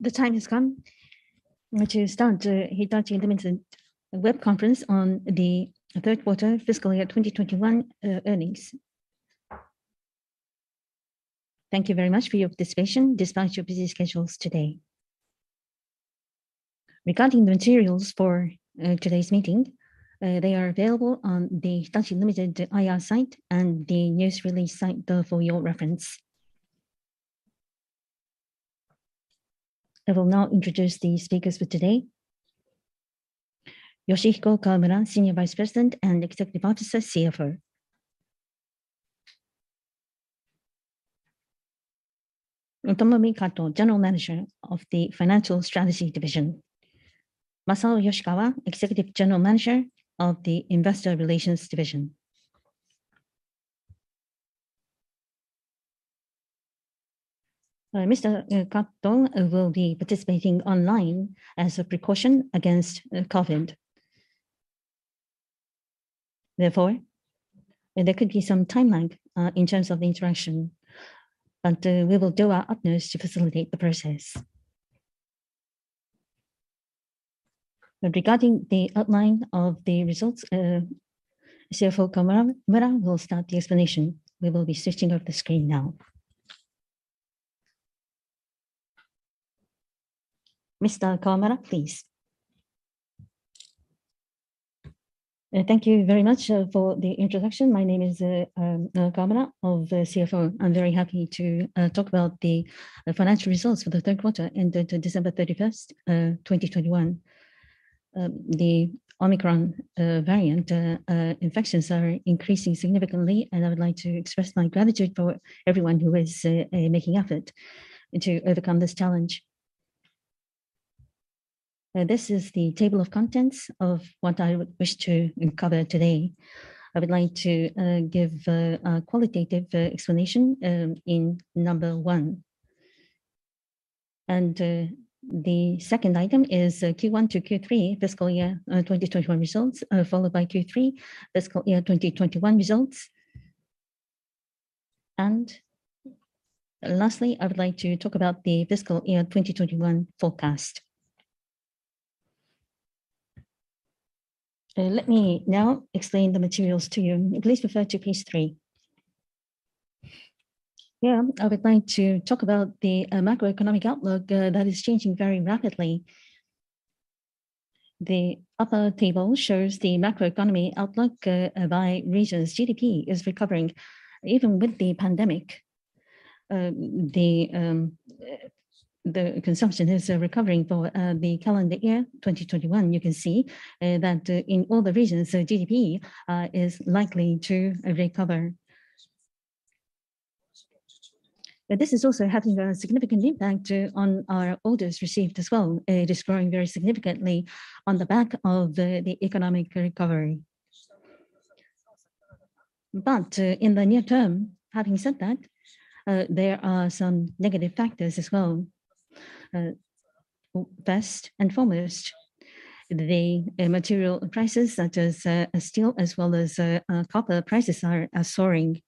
The time has come to start Hitachi, Ltd. web conference on the Q3 fiscal year 2021 earnings. Thank you very much for your participation despite your busy schedules today. Regarding the materials for today's meeting, they are available on the Hitachi, Ltd. IR site and the news release site for your reference. I will now introduce the speakers for today. Yoshihiko Kawamura, Senior Vice President and Executive Officer, CFO. Tomomi Kato, General Manager of the Financial Strategy Division. Masao Yoshikawa, Executive General Manager of the Investor Relations Division. Mr. Kato will be participating online as a precaution against COVID. Therefore, there could be some time lag in terms of interaction, but we will do our utmost to facilitate the process. Regarding the outline of the results, CFO Kawamura will start the explanation. We will be switching off the screen now. Mr. Kawamura, please. Thank you very much for the introduction. My name is Kawamura, CFO. I'm very happy to talk about the financial results for the Q3 ended December 31, 2021. The Omicron variant infections are increasing significantly, and I would like to express my gratitude for everyone who is making effort to overcome this challenge. This is the table of contents of what I wish to cover today. I would like to give a qualitative explanation in number one. The second item is Q1 to Q3 fiscal year 2021 results, followed by Q3 fiscal year 2021 results. Lastly, I would like to talk about the fiscal year 2021 forecast. Let me now explain the materials to you. Please refer to page 3. Here, I would like to talk about the macroeconomic outlook that is changing very rapidly. The upper table shows the macroeconomic outlook by regions. GDP is recovering even with the pandemic. The consumption is recovering for the calendar year 2021. You can see that in all the regions GDP is likely to recover. This is also having a significant impact on our orders received as well. It is growing very significantly on the back of the economic recovery. In the near term, having said that, there are some negative factors as well. First and foremost, the material prices such as steel as well as copper prices are soaring.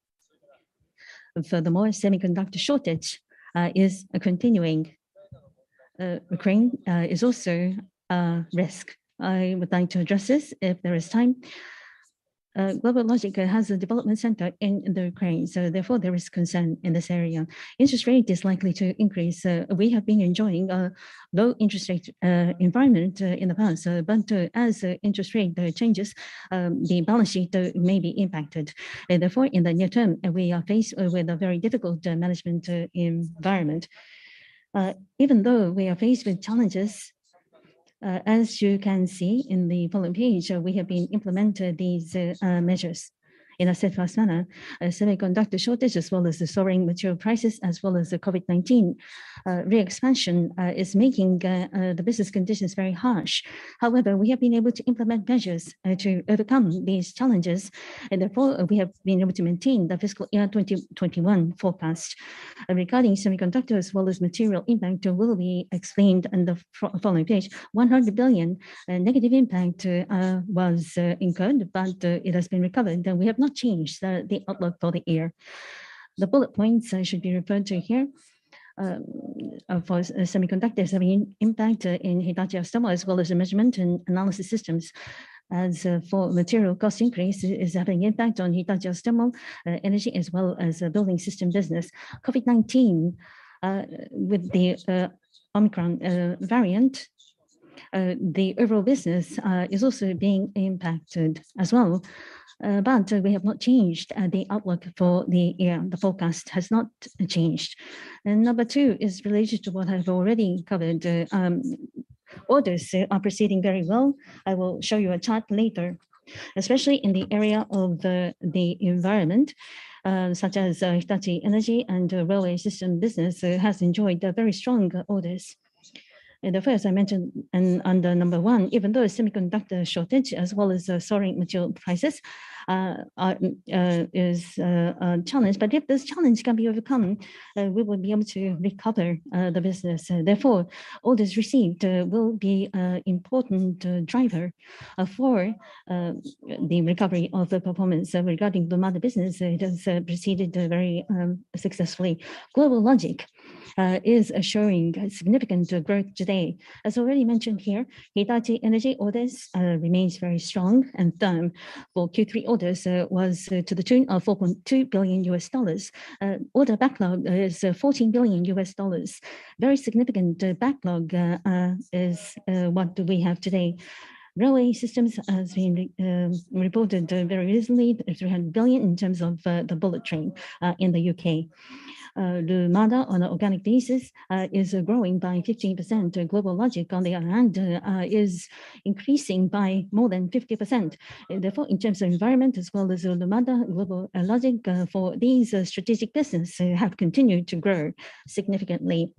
Furthermore, semiconductor shortage is continuing. Ukraine is also a risk. I would like to address this if there is time. GlobalLogic has a development center in the Ukraine, so therefore there is concern in this area. Interest rate is likely to increase. We have been enjoying a low interest rate environment in the past, but as interest rate changes, the balance sheet may be impacted. Therefore, in the near term, we are faced with a very difficult management environment. Even though we are faced with challenges, as you can see in the following page, we have been implemented these measures in a steadfast manner. Semiconductor shortage as well as the soaring material prices as well as the COVID-19 re-expansion is making the business conditions very harsh. However, we have been able to implement measures to overcome these challenges, and therefore, we have been able to maintain the fiscal year 2021 forecast. Regarding semiconductor as well as material impact will be explained on the following page. 100 billion negative impact was incurred, but it has been recovered, and we have not changed the outlook for the year. The bullet points I should be referring to here for semiconductors have impact in Hitachi Astemo as well as measurement and analysis systems. As for material cost increase is having impact on Hitachi Astemo, Energy as well as Building Systems business. COVID-19 with the Omicron variant the overall business is also being impacted as well. We have not changed the outlook for the year. The forecast has not changed. Number two is related to what I've already covered. Orders are proceeding very well. I will show you a chart later, especially in the area of the environment, such as Hitachi Energy and Railway System business, has enjoyed very strong orders. Under number one, even though a semiconductor shortage as well as soaring material prices is a challenge, but if this challenge can be overcome, we will be able to recover the business. Therefore, orders received will be important driver for the recovery of the performance. Regarding Lumada business, it has proceeded very successfully. GlobalLogic is achieving a significant growth today. As already mentioned here, Hitachi Energy orders remains very strong and firm. For Q3 orders was to the tune of $4.2 billion. Order backlog is $14 billion. Very significant backlog is what we have today. Railway Systems has been reported very recently, 300 billion in terms of the bullet train in the U.K. Lumada on an organic basis is growing by 15%. GlobalLogic on the other hand is increasing by more than 50%. Therefore, in terms of environment as well as Lumada, GlobalLogic, for these strategic business have continued to grow significantly.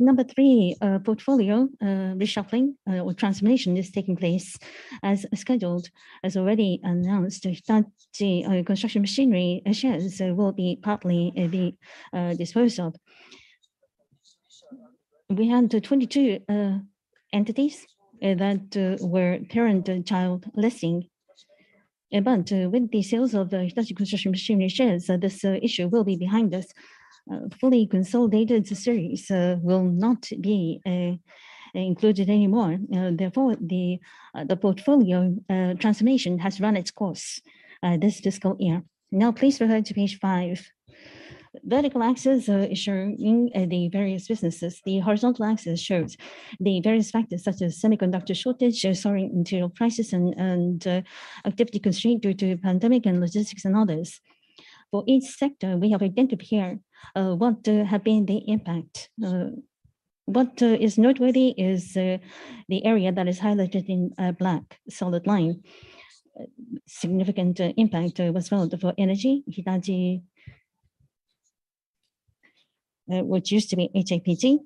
Number three, portfolio reshuffling or transformation is taking place as scheduled, as already announced. Hitachi Construction Machinery shares will be partly disposed of. We had 22 entities that were parent and child listing. With the sales of the Hitachi Construction Machinery shares, this issue will be behind us. Fully consolidated series will not be included anymore. Therefore, the portfolio transformation has run its course this fiscal year. Now please refer to page five. Vertical axis is showing the various businesses. The horizontal axis shows the various factors such as semiconductor shortage, soaring material prices and activity constraint due to pandemic and logistics and others. For each sector, we have identified here what have been the impact. What is noteworthy is the area that is highlighted in black solid line. Significant impact was felt for energy. Hitachi... Which used to be HAPG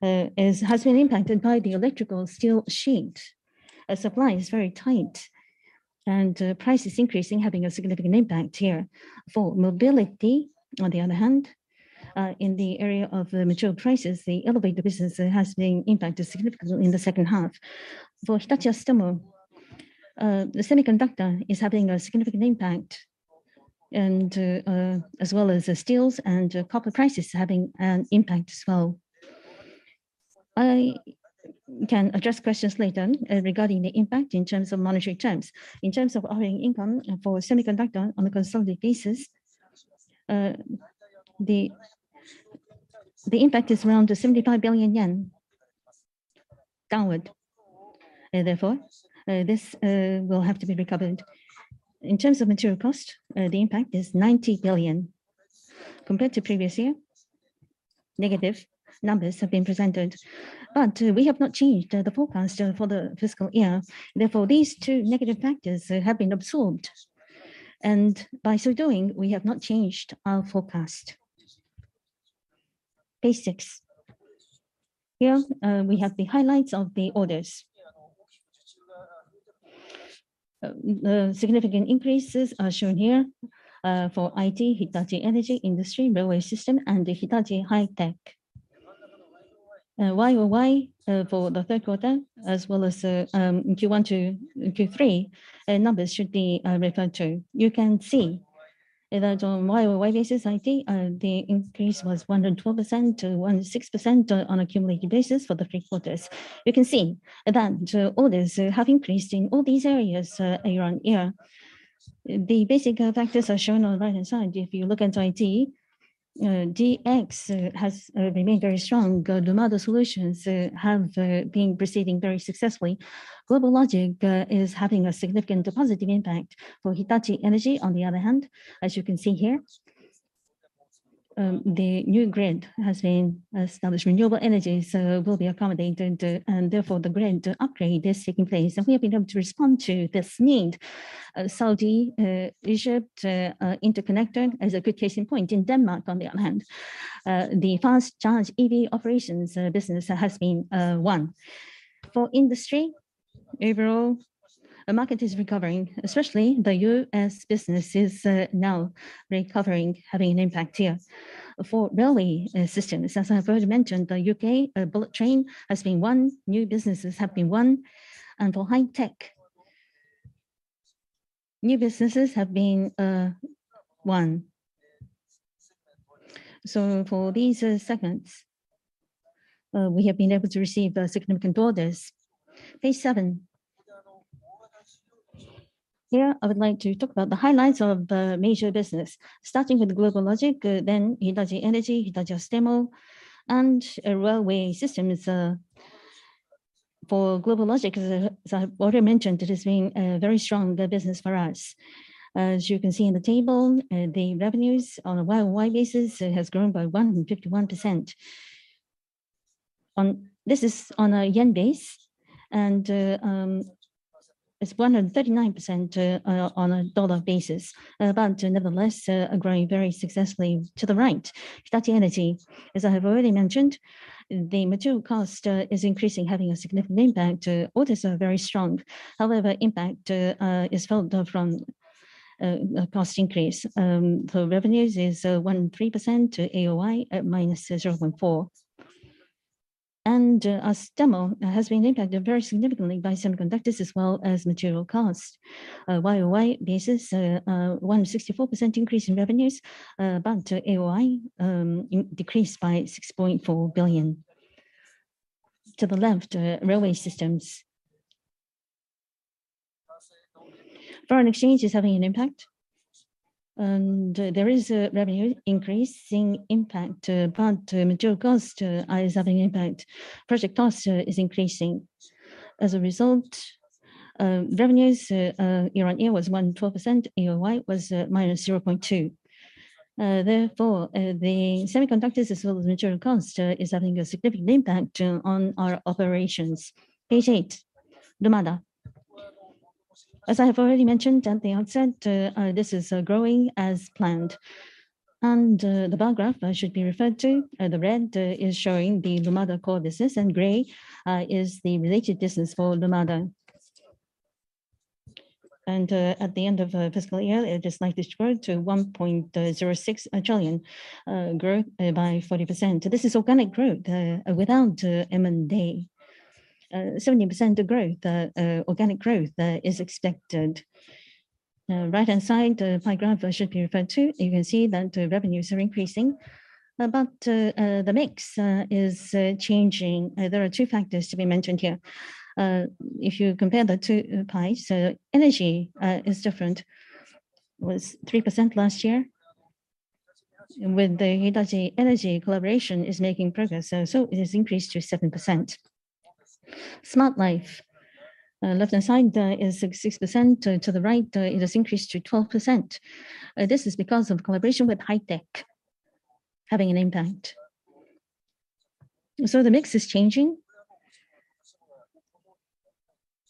has been impacted by the electrical steel sheet supply. Supply is very tight and price is increasing, having a significant impact here. For mobility, on the other hand, in the area of material prices, the elevator business has been impacted significantly in the second half. For Hitachi Astemo, the semiconductor is having a significant impact and as well as the steels and copper prices having an impact as well. I can address questions later regarding the impact in terms of monetary terms. In terms of operating income for semiconductor on a consolidated basis, the impact is around 75 billion yen downward. Therefore, this will have to be recovered. In terms of material cost, the impact is 90 billion. Compared to previous year, negative numbers have been presented. We have not changed the forecast for the fiscal year. Therefore, these two negative factors have been absorbed. By so doing, we have not changed our forecast. Page six. Here, we have the highlights of the orders. Significant increases are shown here for IT, Hitachi Energy, Industry, Railway System and Hitachi High-Tech. Y-o-Y for the Q3 as well as Q1 to Q3 numbers should be referred to. You can see that on Y-o-Y basis IT the increase was 112% to 116% on a cumulative basis for the Q3. You can see that orders have increased in all these areas around here. The basic factors are shown on the right-hand side. If you look into IT, DX has remained very strong. Lumada solutions have been proceeding very successfully. GlobalLogic is having a significant positive impact. For Hitachi Energy, on the other hand, as you can see here, the new grid has been established. Renewable energy, so will be accommodating the, and therefore the grid upgrade is taking place. We have been able to respond to this need. Saudi-Egypt interconnector is a good case in point. In Denmark, on the other hand, the fast charge EV operations business has been won. For industry, overall, the market is recovering, especially the U.S. business is now recovering, having an impact here. For Railway Systems, as I've already mentioned, the U.K. bullet train has been won, new businesses have been won. For Hitachi High-Tech, new businesses have been won. For these segments, we have been able to receive significant orders. Page seven. Here, I would like to talk about the highlights of the major business, starting with GlobalLogic, then Hitachi Energy, Hitachi Astemo, and Railway Systems. For GlobalLogic, as I've already mentioned, it has been a very strong business for us. As you can see in the table, the revenues on a Y-o-Y basis has grown by 151%. This is on a yen base, and it's 139% on a dollar basis. Nevertheless, growing very successfully to the right. Hitachi Energy, as I have already mentioned, the material cost is increasing, having a significant impact. Orders are very strong. However, impact is felt from cost increase. Revenues is 13%, AOI at -0.4%. Astemo has been impacted very significantly by semiconductors as well as material cost. Y-o-Y basis, 164% increase in revenues, but AOI decreased by 6.4 billion. To the left, Railway Systems. Foreign exchange is having an impact, and there is a revenue increasing impact, but material cost is having impact. Project cost is increasing. As a result, revenues year on year was 112%, AOI was -0.2%. Therefore, the semiconductors as well as material cost is having a significant impact on our operations. Page eight, Lumada. As I have already mentioned at the outset, this is growing as planned. The bar graph that should be referred to, the red is showing the Lumada core business, and gray is the related business for Lumada. At the end of the fiscal year, it is likely to grow to 1.06 trillion, growth by 40%. This is organic growth without M&A. 70% organic growth is expected. Right-hand side, pie graph that should be referred to, you can see that revenues are increasing, but the mix is changing. There are two factors to be mentioned here. If you compare the two pies, so energy is different. It was 3% last year. With the Hitachi Energy collaboration is making progress, so it has increased to 7%. Smart Life, left-hand side, is 6%. To the right, it has increased to 12%. This is because of collaboration with HITEC having an impact. The mix is changing.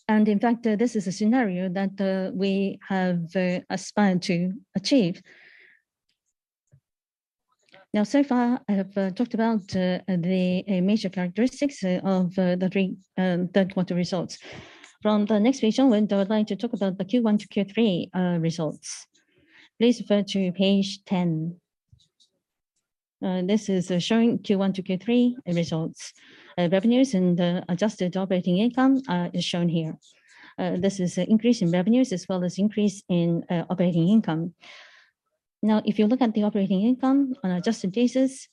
In fact, this is a scenario that we have aspired to achieve. Now, so far, I have talked about the major characteristics of the Q3 results. From the next page onward, I would like to talk about the Q1 to Q3 results. Please refer to page 10. This is showing Q1 to Q3 results. Revenues and adjusted operating income is shown here. This is an increase in revenues as well as increase in operating income. Now, if you look at the operating income on an adjusted basis,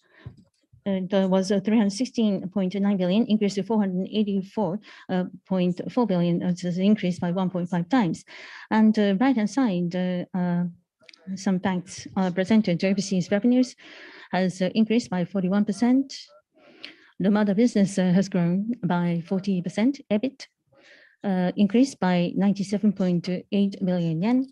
there was a 316.9 billion increase to 484.4 billion. That is an increase by 1.5 times. Right-hand side, some facts are presented. Overseas revenues has increased by 41%. Lumada business has grown by 14%. EBIT increased by JPY 97.8 billion.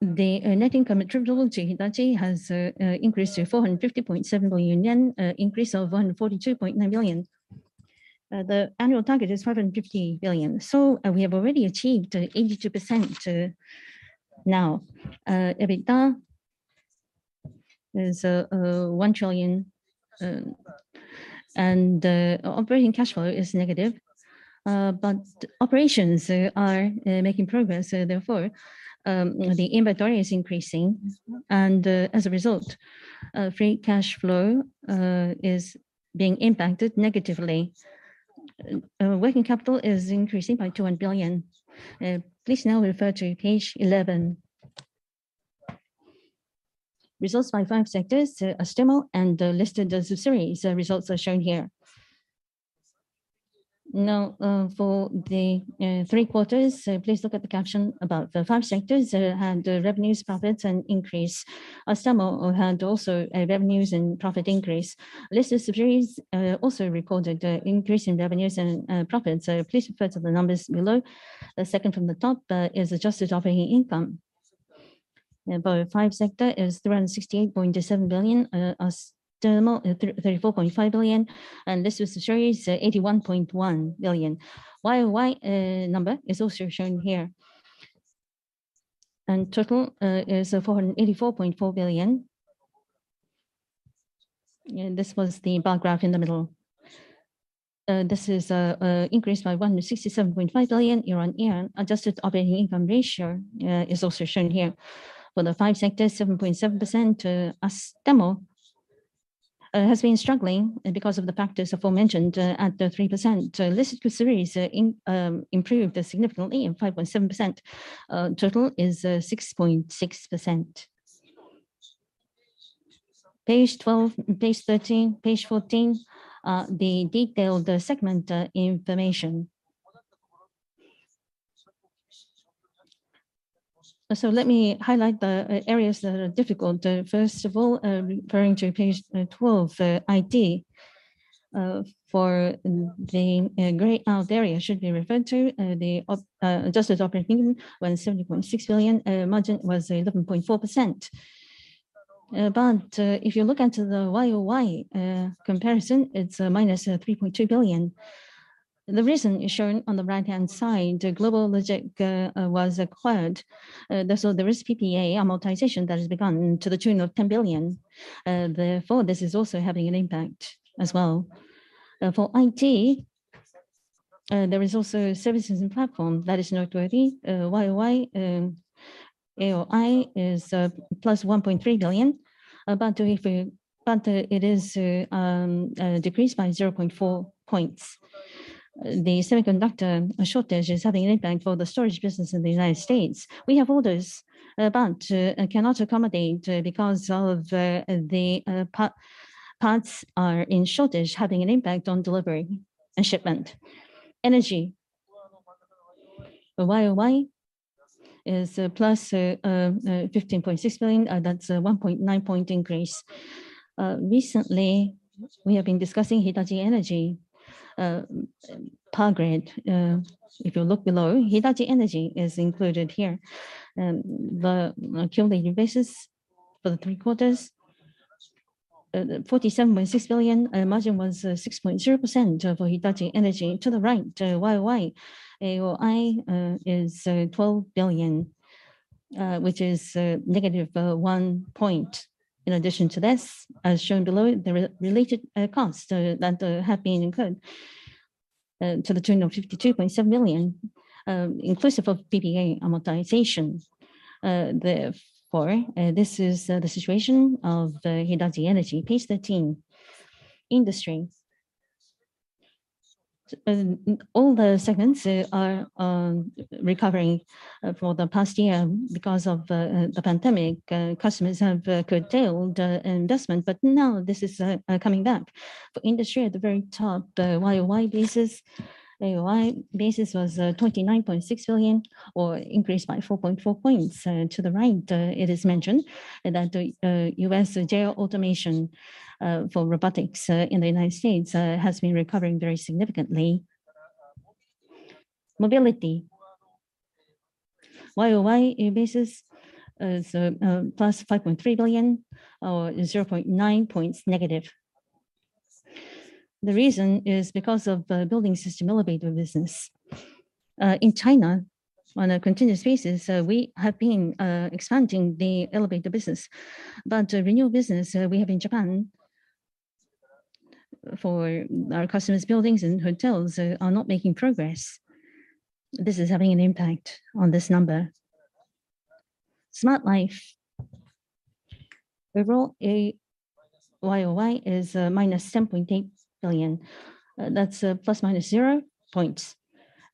The net income attributable to Hitachi has increased to 450.7 billion yen, increase of 142.9 billion. The annual target is 550 billion. We have already achieved 82% now. EBITDA is 1 trillion and operating cash flow is negative. Operations are making progress, therefore, the inventory is increasing. As a result, free cash flow is being impacted negatively. Working capital is increasing by 200 billion. Please now refer to page 11. Results by five sectors, Astemo and Listed Subsidiaries results are shown here. Now, for the Q3, please look at the caption about the five sectors, and revenues, profits and increase. Astemo had also a revenues and profit increase. Listed Subsidiaries also recorded an increase in revenues and profits. Please refer to the numbers below. The second from the top is adjusted operating income. By five sectors is JPY 368.7 billion, Astemo, 34.5 billion, and Listed Subsidiaries, 81.1 billion. Y-o-Y number is also shown here. Total is 484.4 billion. This was the bar graph in the middle. This is increased by 167.5 billion year-over-year. Adjusted operating income ratio is also shown here. For the five sectors, 7.7%, Astemo has been struggling because of the factors aforementioned at the 3%. Listed Subsidiaries improved significantly in 5.7%. Total is 6.6%. Page 12, page 13, page 14, the detailed segment information. Let me highlight the areas that are difficult. First of all, referring to page 12, IT. For the gray out area, the adjusted operating income was 70.6 billion, margin was 11.4%. If you look into the YOY comparison, it is minus 3.2 billion. The reason is shown on the right-hand side. GlobalLogic was acquired, and so there is PPA amortization that has begun to the tune of 10 billion. Therefore, this is also having an impact as well. For IT, there is also services and platform that is noteworthy. YOY AOI is plus 1.3 billion, but it is decreased by 0.4 points. The semiconductor shortage is having an impact for the storage business in the U.S. We have orders, but cannot accommodate because the parts are in shortage, having an impact on delivery and shipment. Energy. The YOY is plus 15.6 billion. That's 1.9% increase. Recently, we have been discussing Hitachi Energy Power Grid. If you look below, Hitachi Energy is included here. The accumulated basis for the Q3, 47.6 billion, and margin was 6.0% for Hitachi Energy. To the right, YOY AOI is 12 billion, which is negative 1 point. In addition to this, as shown below, there are related costs that have been incurred to the tune of 52.7 billion, inclusive of PPA amortization. Therefore, this is the situation of Hitachi Energy. Page 13. Industry. All the segments are recovering for the past year because of the pandemic. Customers have curtailed investment, but now this is coming back. For industry at the very top, the YOY basis, AOI basis was 29.6 billion or increased by 4.4 points. To the right, it is mentioned that the JR Automation for robotics in the United States has been recovering very significantly. Mobility. YOY basis is plus 5.3 billion or -0.9 points. The reason is because of the building system elevator business. In China, on a continuous basis, we have been expanding the elevator business. The renewal business we have in Japan for our customers' buildings and hotels are not making progress. This is having an impact on this number. Smart Life. Overall, YOY is -10.8 billion. That's plus/minus zero points.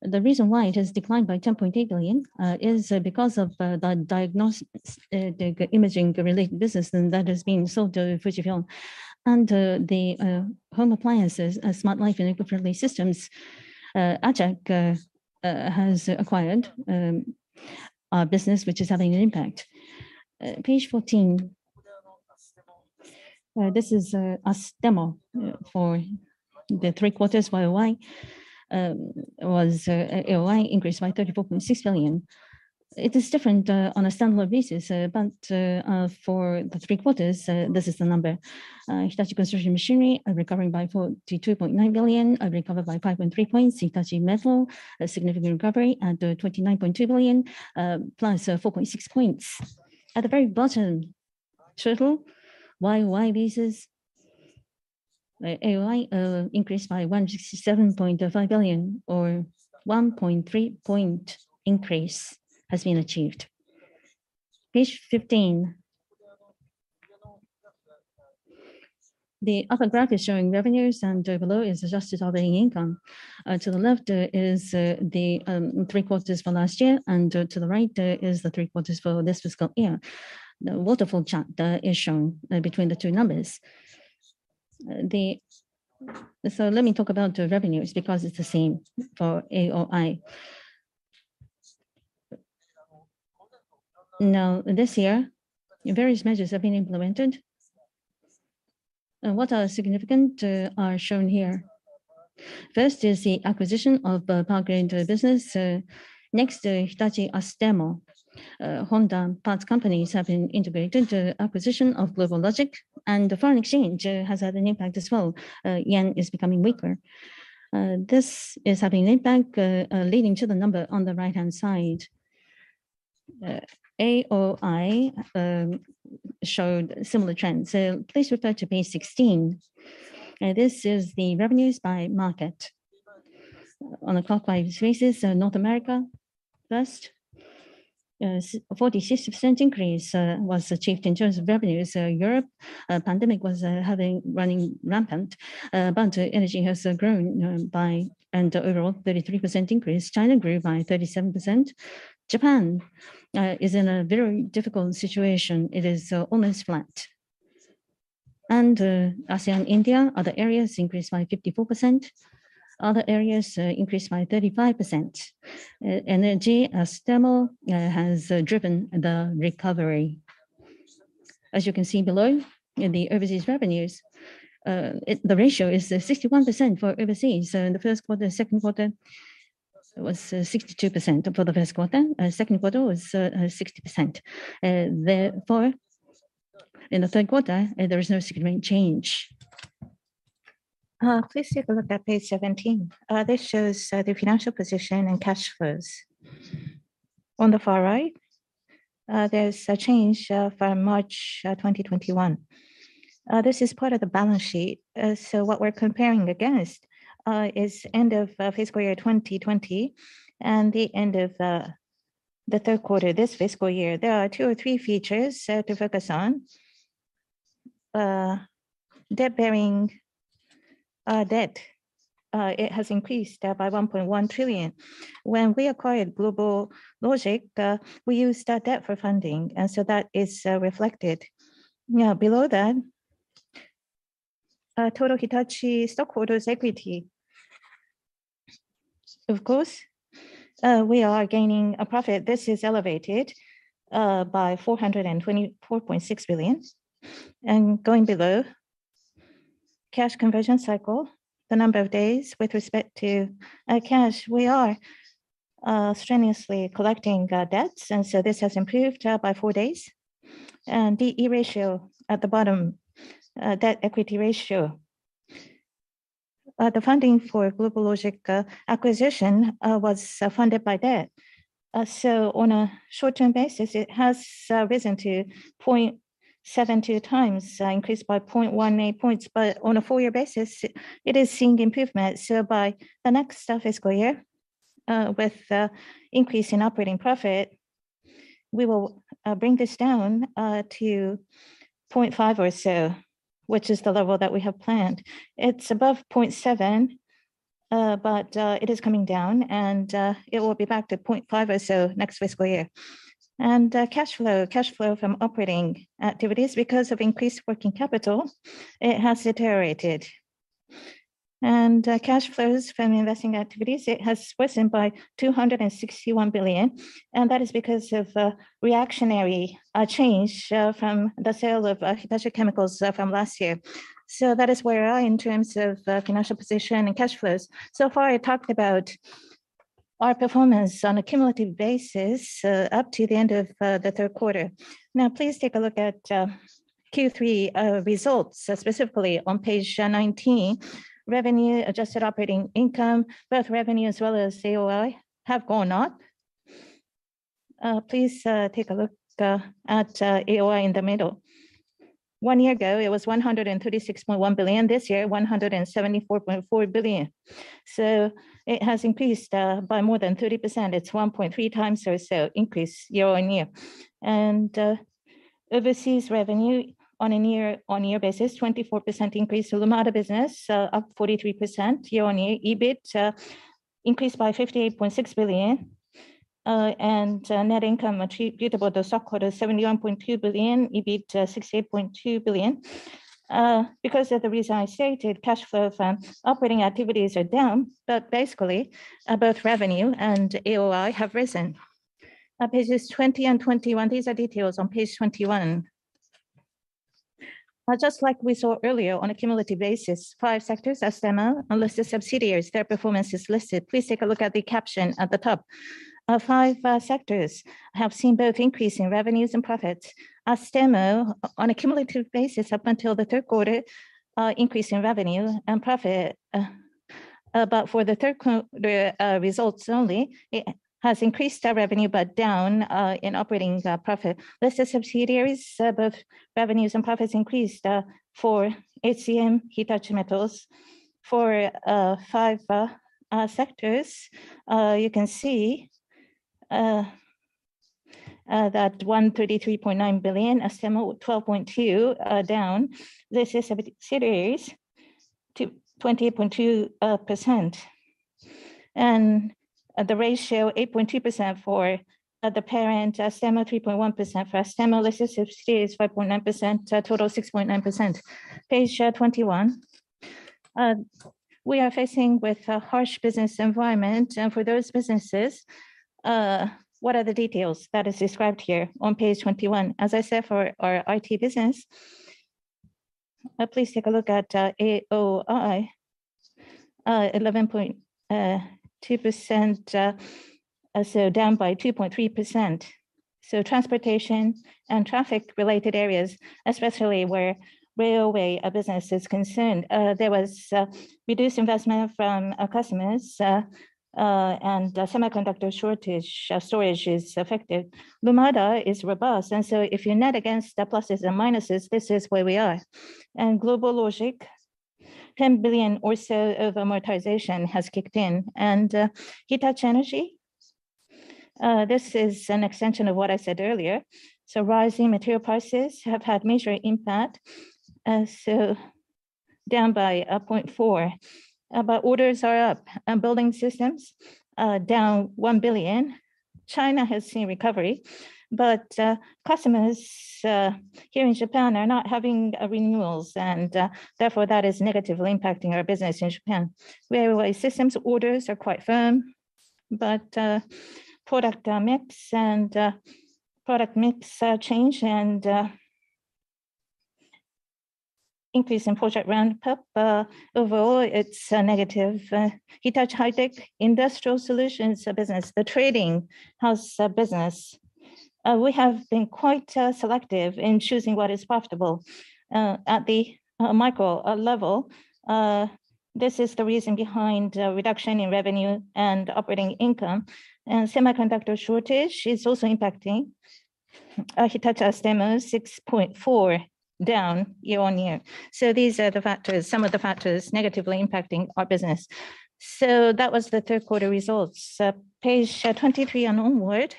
The reason why it has declined by 10.8 billion is because of the diagnostics, the imaging related business that has been sold to Fujifilm. The home appliances, Smart Life and Eco-Friendly Systems, Arçelik has acquired our business, which is having an impact. Page 14. This is Astemo for the Q3 YOY, AOI increased by 34.6 billion. It is different on a standalone basis, but for the Q3, this is the number. Hitachi Construction Machinery are recovering by 42.9 billion, recovered by 5.3 points. Hitachi Metals, a significant recovery at 29.2 billion, plus 4.6 points. At the very bottom, total YOY basis, AOI increased by 167.5 billion, or 1.3-point increase has been achieved. Page 15. The upper graph is showing revenues, and below is adjusted operating income. To the left is the Q3 for last year, and to the right is the Q3 for this fiscal year. The waterfall chart is shown between the two numbers. Let me talk about the revenues because it's the same for AOI. Now, this year, various measures have been implemented. What are significant are shown here. First is the acquisition of Power Grid business. Next, Hitachi Astemo, Honda parts companies have been integrated. The acquisition of GlobalLogic and the foreign exchange has had an impact as well. Yen is becoming weaker. This is having an impact leading to the number on the right-hand side. AOI showed similar trends. Please refer to page 16. This is the revenues by market. On a clockwise basis, North America first. 46% increase was achieved in terms of revenues. Europe, pandemic was running rampant. Energy has grown by an overall 33% increase. China grew by 37%. Japan is in a very difficult situation. It is almost flat. ASEAN, India, other areas increased by 54%. Other areas increased by 35%. Energy, Astemo has driven the recovery. As you can see below in the overseas revenues, the ratio is 61% for overseas. In the Q1, Q2, it was 62% for the Q1. Q2 was 60%. Therefore, in the Q3, there is no significant change. Please take a look at page 17. This shows the financial position and cash flows. On the far right, there's a change from March 2021. This is part of the balance sheet. What we're comparing against is end of fiscal year 2020 and the end of the Q3 this fiscal year. There are two or three features to focus on. Interest-bearing debt has increased by 1.1 trillion. When we acquired GlobalLogic, we used our debt for funding, and so that is reflected. Now, below that, total Hitachi stockholders' equity. Of course, we are gaining a profit. This is elevated by 424.6 billion. Going below, cash conversion cycle, the number of days with respect to cash, we are strenuously collecting debts, and so this has improved by four days. D/E ratio at the bottom, debt equity ratio. The funding for GlobalLogic acquisition was funded by debt. On a short-term basis, it has risen to 0.72 times, increased by 0.18 points. On a full year basis, it is seeing improvement. By the next fiscal year, with increase in operating profit, we will bring this down to 0.5 or so, which is the level that we have planned. It is above 0.7, but it is coming down, and it will be back to 0.5 or so next fiscal year. Cash flow from operating activities, because of increased working capital, it has deteriorated. Cash flows from investing activities, it has worsened by 261 billion, and that is because of reactionary change from the sale of Hitachi Chemical from last year. That is where we are in terms of financial position and cash flows. So far, I talked about our performance on a cumulative basis up to the end of the Q3. Now, please take a look at Q3 results, specifically on page 19, revenue, adjusted operating income. Both revenue as well as AOI have gone up. Please take a look at AOI in the middle. One year ago, it was 136.1 billion. This year, 174.4 billion. So it has increased by more than 30%. It's 1.3 times or so increase year-over-year. Overseas revenue on a year-over-year basis, 24% increase to Lumada business up 43% year-over-year. EBIT increased by 58.6 billion. Net income attributable to stockholders, 71.2 billion. EBIT 68.2 billion. Because of the reason I stated, cash flow from operating activities are down. Basically, both revenue and AOI have risen. Now pages 20 and 21, these are details on page 21. Just like we saw earlier on a cumulative basis, five sectors, Astemo, Unlisted Subsidiaries, their performance is listed. Please take a look at the caption at the top. Five sectors have seen both increase in revenues and profits. Astemo, on a cumulative basis, up until the Q3, increase in revenue and profit. For the Q3 results only, it has increased our revenue, but down in operating profit. Unlisted Subsidiaries, both revenues and profits increased for HCM, Hitachi Metals. For five sectors, you can see that JPY 133.9 billion. Astemo, 12.2 down. Unlisted Subsidiaries, 20.2%. The ratio 8.2% for the parent. Astemo, 3.1%. For Astemo, Unlisted Subsidiaries, 5.9%. Total, 6.9%. Page 21. We are facing with a harsh business environment, and for those businesses, what are the details? That is described here on page 21. As I said, for our IT business, please take a look at AOI. 11.2%, so down by 2.3%. Transportation and traffic related areas, especially where railway business is concerned, there was reduced investment from our customers, and semiconductor shortage, storage is affected. Lumada is robust, and so if you net against the pluses and minuses, this is where we are. GlobalLogic, 10 billion or so of amortization has kicked in. Hitachi Energy, this is an extension of what I said earlier. Rising material prices have had major impact, so down by 0.4%. Orders are up. Building Systems, down 1 billion. China has seen recovery, but customers here in Japan are not having renewals, and therefore, that is negatively impacting our business in Japan. Railway systems orders are quite firm. Product mix change and increase in project ramp up. Overall, it's negative. Hitachi High-Tech, industrial solutions business, the trading house business, we have been quite selective in choosing what is profitable at the micro level. This is the reason behind the reduction in revenue and operating income. Semiconductor shortage is also impacting. Hitachi Astemo, -6.4% year-over-year. These are the factors, some of the factors negatively impacting our business. That was the Q3 results. Page 23 and onward,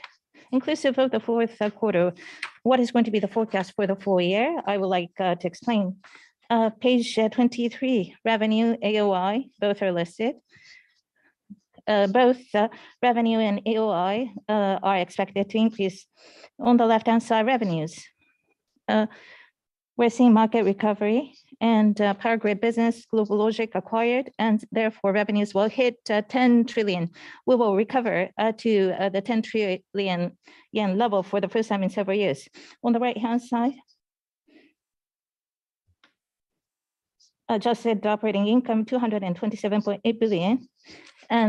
inclusive of the Q4, what is going to be the forecast for the full year? I would like to explain. Page 23, revenue, AOI, both are listed. Both, revenue and AOI, are expected to increase. On the left-hand side, revenues. We're seeing market recovery and power grid business, GlobalLogic acquired, and therefore, revenues will hit 10 trillion. We will recover to the 10 trillion yen level for the first time in several years. On the right-hand side, adjusted operating income, 227.8 billion.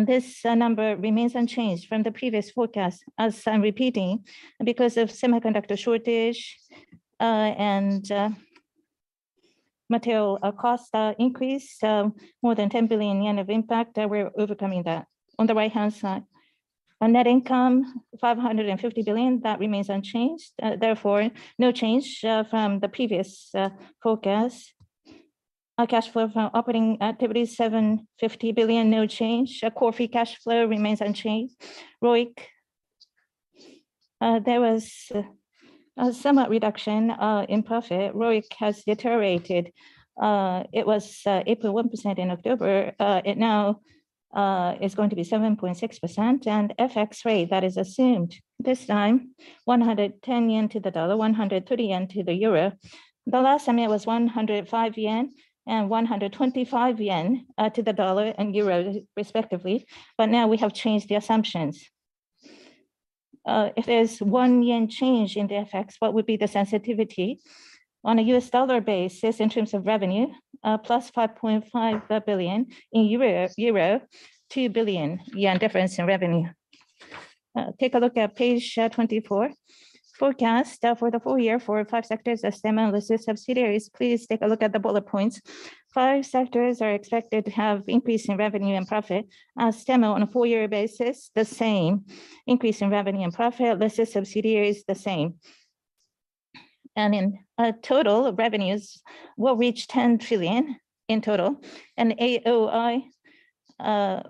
This number remains unchanged from the previous forecast. As I'm repeating, because of semiconductor shortage and material cost increase, so more than 10 billion yen of impact, we're overcoming that. On the right-hand side, our net income, 550 billion, that remains unchanged. Therefore, no change from the previous forecast. Our cash flow from operating activities, 750 billion, no change. Our core free cash flow remains unchanged. ROIC, there was a somewhat reduction in profit. ROIC has deteriorated. It was 8.1% in October. It now is going to be 7.6%. FX rate, that is assumed this time, 110 yen to the dollar, 130 yen to the euro. The last time it was 105 yen and 125 yen to the dollar and euro respectively, but now we have changed the assumptions. If there's one yen change in the FX, what would be the sensitivity? On a US dollar basis in terms of revenue, plus $5.5 billion. In euro, JPY 2 billion difference in revenue. Take a look at page 24. Forecast for the full year for five sectors, Astemo, listed subsidiaries. Please take a look at the bullet points. Five sectors are expected to have increase in revenue and profit. Astemo on a full year basis, the same. Increase in revenue and profit, listed subsidiaries, the same. In total, revenues will reach 10 trillion in total. AOI,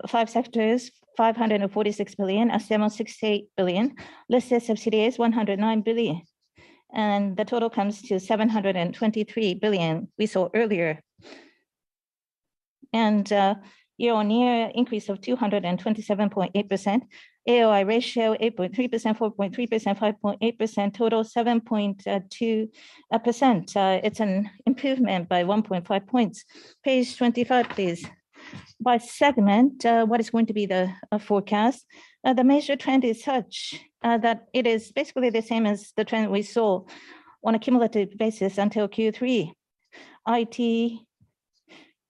five sectors, 546 billion. Astemo, 68 billion. Listed Subsidiaries, 109 billion. The total comes to 723 billion we saw earlier. Year-on-year increase of 227.8%. AOI ratio, 8.3%, 4.3%, 5.8%. Total, 7.2%. It's an improvement by 1.5 points. Page 25, please. By segment, what is going to be the forecast? The major trend is such that it is basically the same as the trend we saw on a cumulative basis until Q3. IT,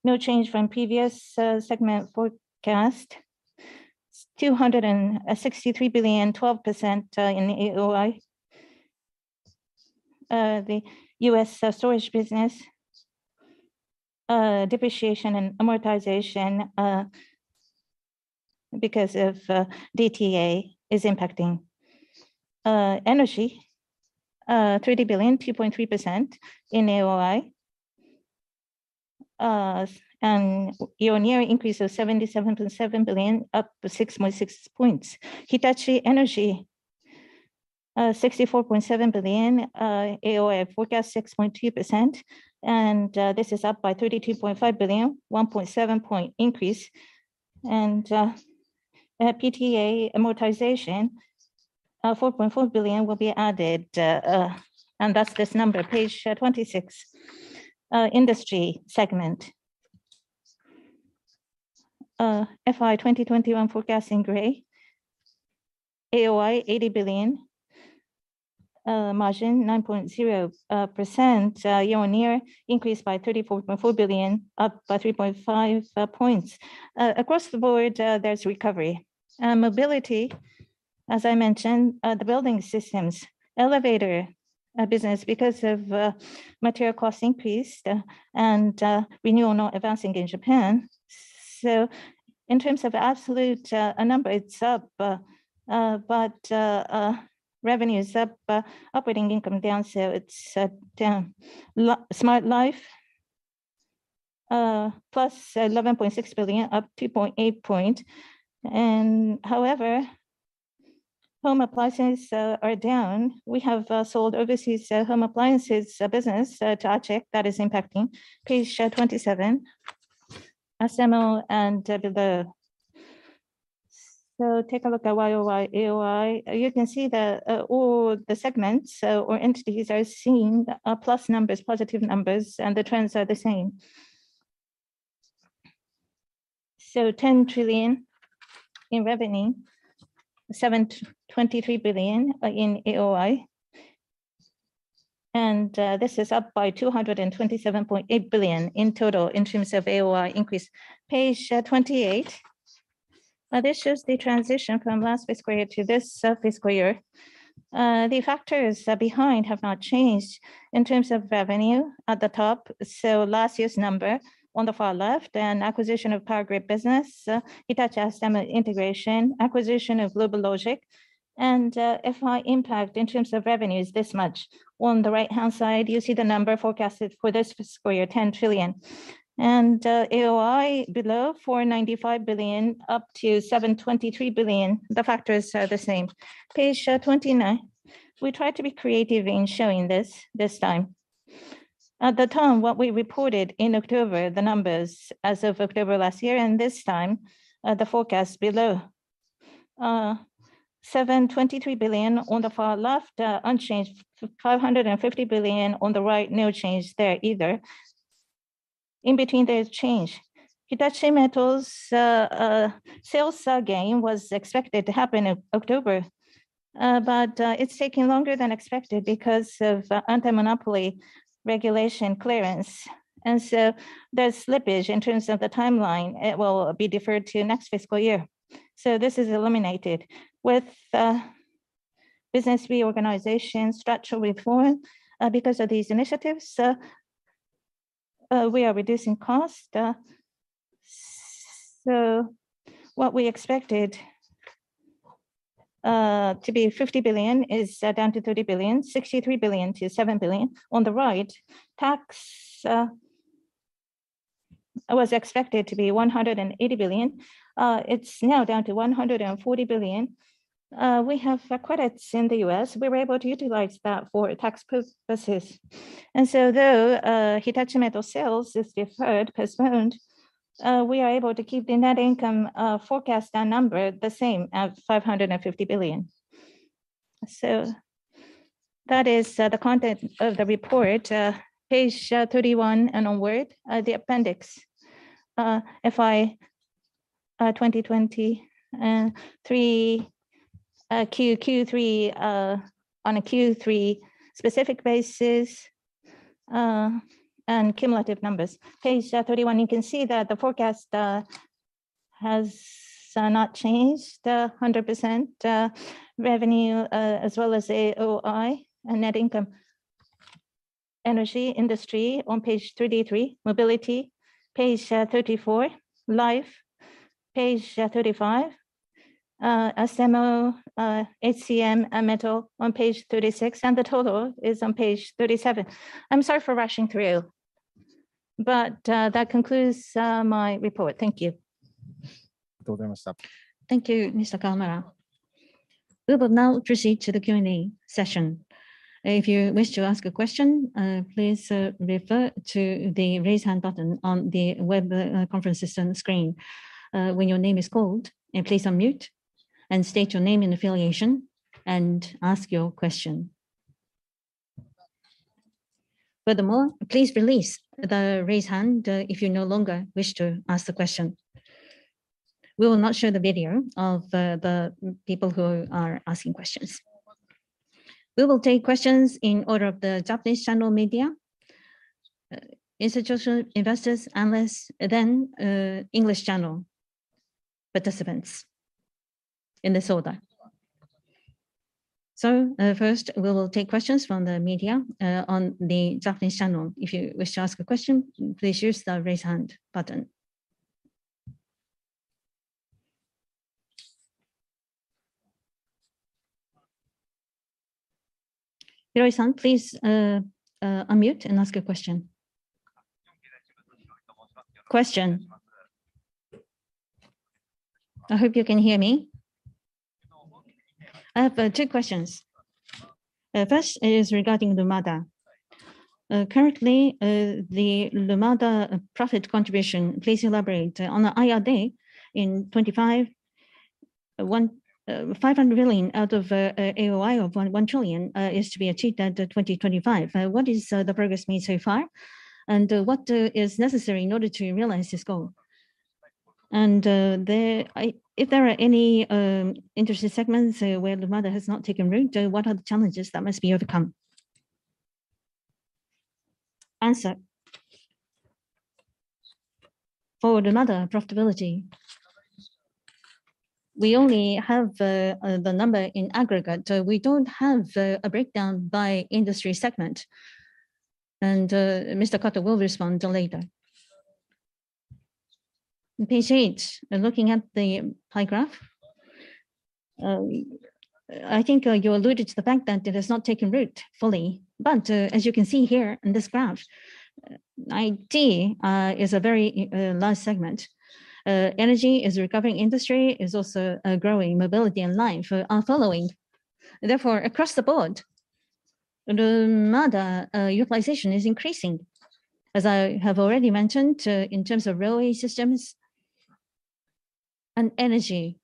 no change from previous segment forecast. 263 billion, 12% in the AOI. The U.S. storage business, depreciation and amortization, because of D&A is impacting. Energy, 30 billion, 2.3% in AOI. Year-on-year increase of 77.7 billion, up 6.6 points. Hitachi Energy, 64.7 billion, AOI forecast 6.2%. This is up by 32.5 billion, 1.7-point increase. PPA amortization, 4.4 billion will be added. That's this number. Page 26, Industry segment. FY 2021 forecast in gray. AOI, 80 billion. Margin, 9.0%. Year-on-year increase by 34.4 billion, up by 3.5 points. Across the board, there's recovery. Mobility, as I mentioned, the building systems, elevator business, because of material costs increased, and renewal not advancing in Japan. In terms of absolute number, it's up, but revenue is up, operating income down, so it's down. Smart Life, plus 11.6 billion, up 2.8%. However, home appliances are down. We have sold overseas home appliances business to Arçelik. That is impacting. Page 27. Astemo and the. Take a look at YOY, AOI. You can see all the segments or entities are seeing plus numbers, positive numbers, and the trends are the same. 10 trillion in revenue, 723 billion in AOI. This is up by 227.8 billion in total in terms of AOI increase. Page 28. Now this shows the transition from last fiscal year to this fiscal year. The factors behind have not changed in terms of revenue at the top, so last year's number on the far left, and acquisition of Power Grid business, Hitachi Astemo integration, acquisition of GlobalLogic, and FX impact in terms of revenue is this much. On the right-hand side, you see the number forecasted for this fiscal year, 10 trillion. AOI below, 495 billion, up to 723 billion. The factors are the same. Page 29. We tried to be creative in showing this time. At the time, what we reported in October, the numbers as of October last year and this time, the forecast below. 723 billion on the far left, unchanged. 550 billion on the right, no change there either. In between, there is change. Hitachi Metals' sales gain was expected to happen in October, but it's taking longer than expected because of anti-monopoly regulation clearance. There's slippage in terms of the timeline. It will be deferred to next fiscal year. This is eliminated. With business reorganization, structural reform, because of these initiatives, we are reducing cost, so what we expected to be 50 billion is down to 30 billion, 63 billion to 7 billion. On the right, tax was expected to be 180 billion. It's now down to 140 billion. We have credits in the U.S. We were able to utilize that for tax purposes. Though Hitachi Metals sales is deferred, postponed, we are able to keep the net income forecast, our number the same at 550 billion. That is the content of the report. Page 31 and onward are the appendix. FY 2023 Q3 on a Q3 specific basis and cumulative numbers. Page 31, you can see that the forecast has not changed 100%, revenue as well as AOI and net income. Energy industry on page 33. Mobility, page 34. Life, page 35. Astemo, HCM and Metal on page 36. The total is on page 37. I'm sorry for rushing through, but that concludes my report. Thank you. Thank you, Mr. Kawamura. We will now proceed to the Q&A session. If you wish to ask a question, please refer to the raise hand button on the web conference system screen. When your name is called, please unmute and state your name and affiliation, and ask your question. Furthermore, please release the raise hand if you no longer wish to ask the question. We will not show the video of the people who are asking questions. We will take questions in order of the Japanese channel media, institutional investors, analysts, then English channel participants, in this order. First, we will take questions from the media on the Japanese channel. If you wish to ask a question, please use the raise hand button. Hiroi-san, please unmute and ask your question. Question. I hope you can hear me. I have two questions. First is regarding Lumada. Currently, the Lumada profit contribution, please elaborate. On the IR day in 2025, 500 million out of AOI of 1 trillion is to be achieved at 2025. What is the progress made so far? What is necessary in order to realize this goal? If there are any interesting segments where Lumada has not taken root, what are the challenges that must be overcome? For Lumada profitability, we only have the number in aggregate. We don't have a breakdown by industry segment. Mr. Kato will respond later. Page eight, looking at the pie graph, I think you alluded to the fact that it has not taken root fully. As you can see here in this graph, IT is a very large segment. Energy is a recovering industry, is also growing. Mobility and life are following. Therefore, across the board, Lumada utilization is increasing. As I have already mentioned, in terms of railway systems and energy,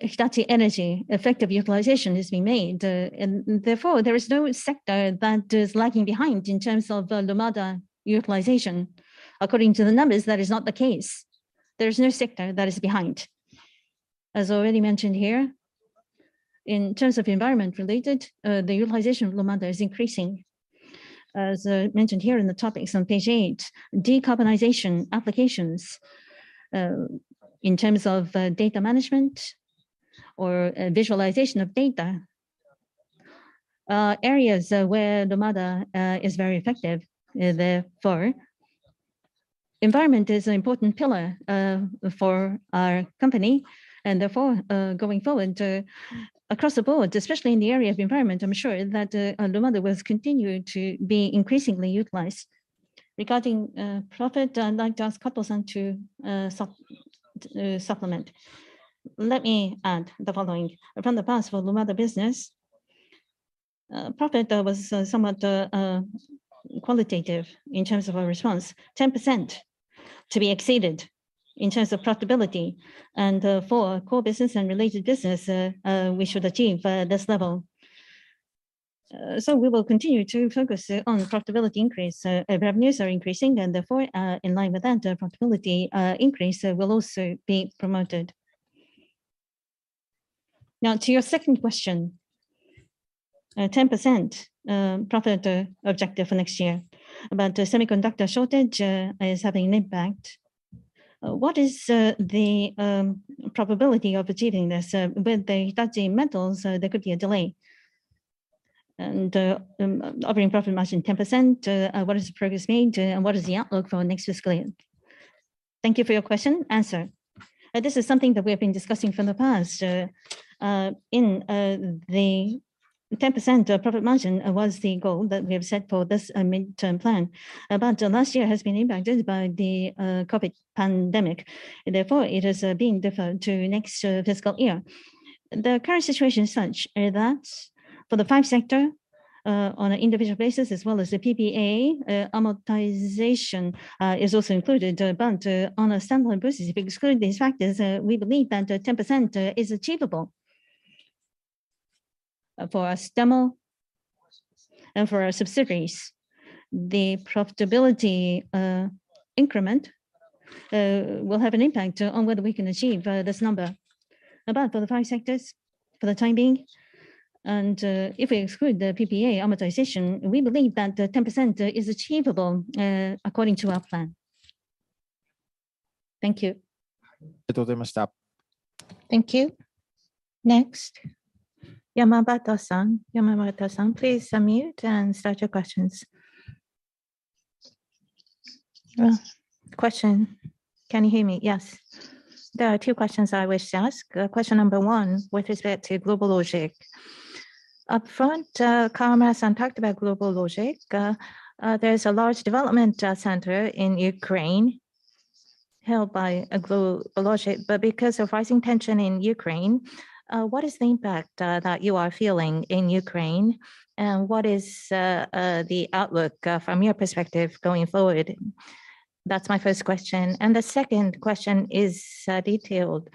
Hitachi Energy effective utilization has been made. Therefore, there is no sector that is lagging behind in terms of Lumada utilization. According to the numbers, that is not the case. There's no sector that is behind. As already mentioned here, in terms of environment related, the utilization of Lumada is increasing. As mentioned here in the topics on page 8, decarbonization applications, in terms of, data management or visualization of data, areas where Lumada is very effective. Therefore, environment is an important pillar for our company, and therefore, going forward, across the board, especially in the area of environment, I'm sure that Lumada will continue to be increasingly utilized. Regarding profit, I'd like to ask Kato-san to supplement. Let me add the following. From the past, for Lumada business, profit was somewhat qualitative in terms of our response. 10% to be exceeded in terms of profitability. For core business and related business, we should achieve this level. We will continue to focus on profitability increase. Revenues are increasing and therefore, in line with that, profitability increase will also be promoted. Now, to your second question. 10% profit objective for next year. About the semiconductor shortage is having an impact. What is the probability of achieving this? With the Hitachi Metals there could be a delay. Operating profit margin 10% what does the progress mean, and what is the outlook for next fiscal year? Thank you for your question. Answer. This is something that we have been discussing from the past. In the 10% profit margin was the goal that we have set for this midterm plan. Last year has been impacted by the COVID pandemic, therefore it has been deferred to next fiscal year. The current situation is such that for the five sectors on an individual basis as well as the PPA amortization is also included. On a standalone basis, excluding these factors, we believe that 10% is achievable. For Astemo and for our subsidiaries, the profitability increment will have an impact on whether we can achieve this number. For the five sectors, for the time being, and if we exclude the PPA amortization, we believe that the 10% is achievable according to our plan. Thank you. Thank you. Next, Yamabato-san. Yamabato-san, please unmute and start your questions. Question. Can you hear me? Yes. There are two questions I wish to ask. Question number one, with respect to GlobalLogic. Upfront, Kawamura-san talked about GlobalLogic. There's a large development center in Ukraine held by GlobalLogic. But because of rising tension in Ukraine, what is the impact that you are feeling in Ukraine? And what is the outlook from your perspective going forward? That's my first question. And the second question is detailed.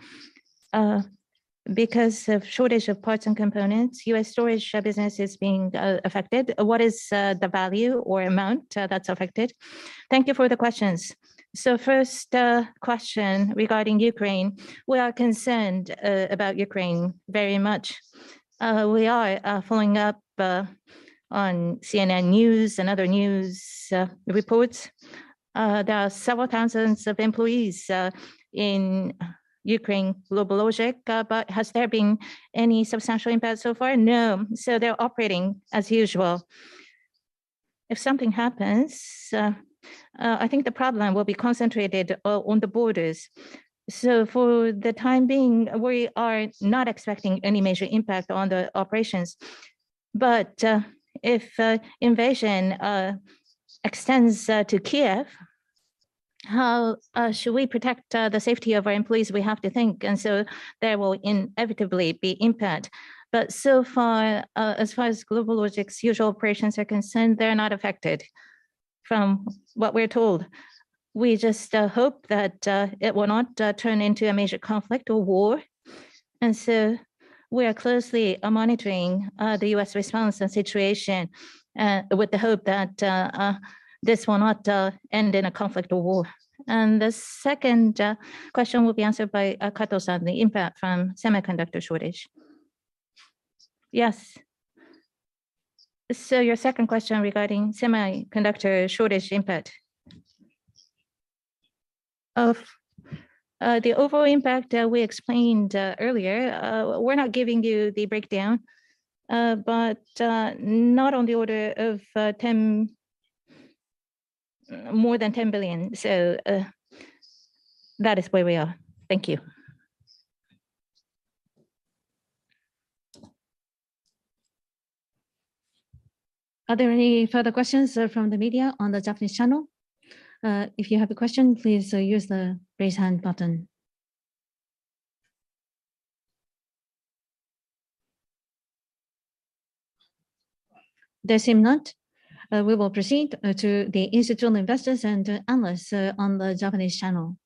Because of shortage of parts and components, U.S. storage business is being affected. What is the value or amount that's affected? Thank you for the questions. First, question regarding Ukraine. We are concerned about Ukraine very much. We are following up on CNN news and other news reports. There are several thousands of employees in Ukraine, GlobalLogic, but has there been any substantial impact so far? No. They're operating as usual. If something happens, I think the problem will be concentrated on the borders. For the time being, we are not expecting any major impact on the operations. If invasion extends to Kiev, how should we protect the safety of our employees? We have to think, there will inevitably be impact. So far, as far as GlobalLogic's usual operations are concerned, they're not affected from what we're told. We just hope that it will not turn into a major conflict or war. We are closely monitoring the U.S. response and situation with the hope that this will not end in a conflict or war. The second question will be answered by Kato-san, the impact from semiconductor shortage. Yes. Your second question regarding semiconductor shortage impact. Of the overall impact, we explained earlier, we're not giving you the breakdown, but not on the order of more than 10 billion. That is where we are. Thank you. Are there any further questions from the media on the Japanese channel? If you have a question, please use the raise hand button. The same note, we will proceed to the institutional investors and analysts on the Japanese channel.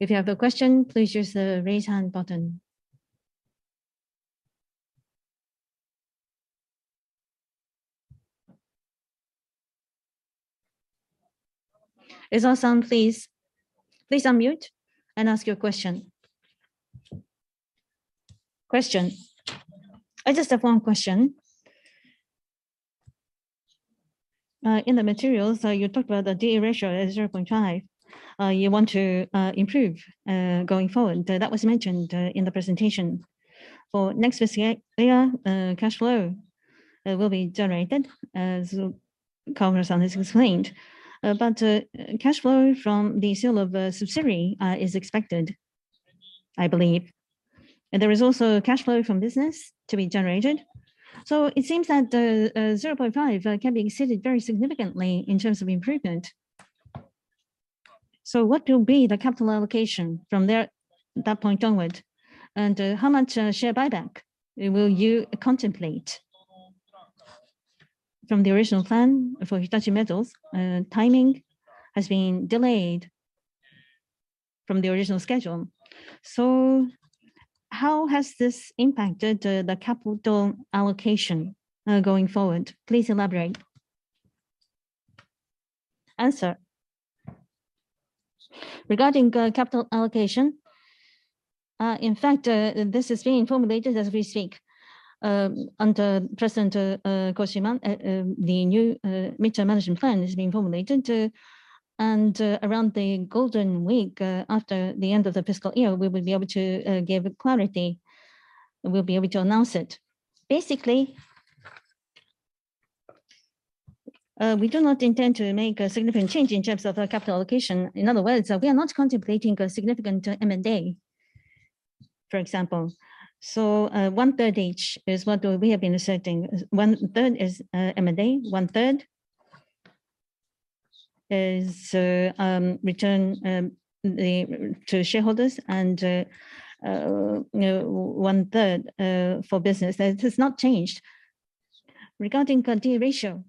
If you have a question, please use the Raise Hand button. Izawa-san, please unmute and ask your question. Question. I just have one question. In the materials, you talked about the D/E ratio is 0.5. You want to improve going forward. That was mentioned in the presentation. For next fiscal year, cash flow will be generated as Kato-san has explained. Cash flow from the sale of a subsidiary is expected, I believe. There is also cash flow from business to be generated. It seems that 0.5 can be exceeded very significantly in terms of improvement. What will be the capital allocation from there, that point onward, and, how much, share buyback will you contemplate? From the original plan for Hitachi Metals, timing has been delayed from the original schedule. How has this impacted the capital allocation, going forward? Please elaborate. Answer. Regarding capital allocation, in fact, this is being formulated as we speak. Under President Kojima, the new midterm management plan is being formulated. Around the Golden Week, after the end of the fiscal year, we will be able to give clarity, and we'll be able to announce it. Basically, we do not intend to make a significant change in terms of our capital allocation. In other words, we are not contemplating a significant M&A, for example. One-third each is what we have been asserting. One-third is M&A, one-third is return to shareholders, and you know, one-third for business. That has not changed. Regarding D/E ratio,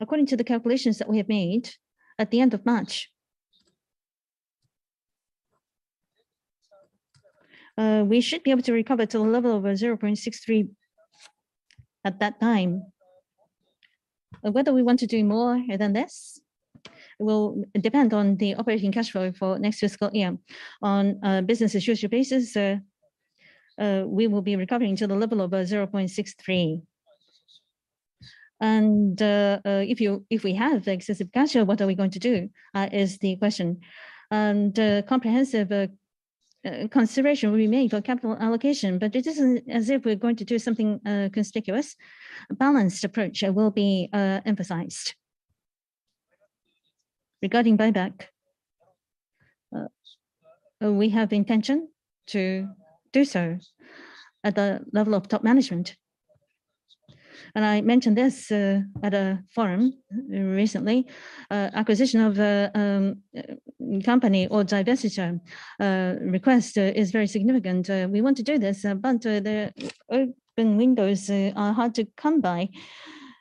according to the calculations that we have made at the end of March, we should be able to recover to a level of 0.63 at that time. Whether we want to do more than this will depend on the operating cash flow for next fiscal year. On a business-as-usual basis, we will be recovering to the level of 0.63. If we have excessive cash flow, what are we going to do is the question. A comprehensive consideration will be made for capital allocation, but it isn't as if we're going to do something conspicuous. A balanced approach will be emphasized. Regarding buyback, we have intention to do so at the level of top management. I mentioned this at a forum recently. Acquisition of a company or divestiture request is very significant. We want to do this, but the open windows are hard to come by,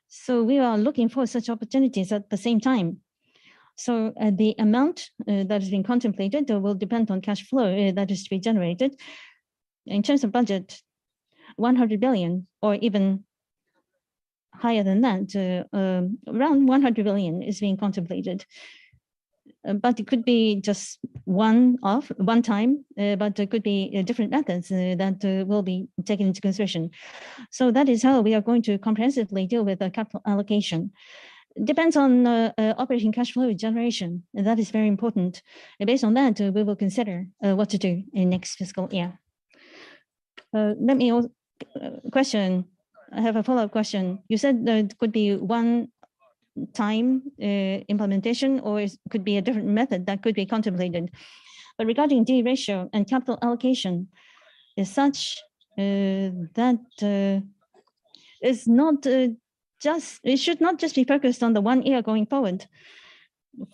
so we are looking for such opportunities at the same time. The amount that is being contemplated will depend on cash flow that is to be generated. In terms of budget, 100 billion or even higher than that, around 100 billion is being contemplated. It could be just one-off, one time, but there could be different methods that will be taken into consideration. That is how we are going to comprehensively deal with the capital allocation. It depends on operating cash flow generation. That is very important. Based on that, we will consider what to do in next fiscal year. I have a follow-up question. You said that it could be one-time implementation or it could be a different method that could be contemplated. Regarding D/E ratio and capital allocation is such that is not just. It should not just be focused on the one year going forward.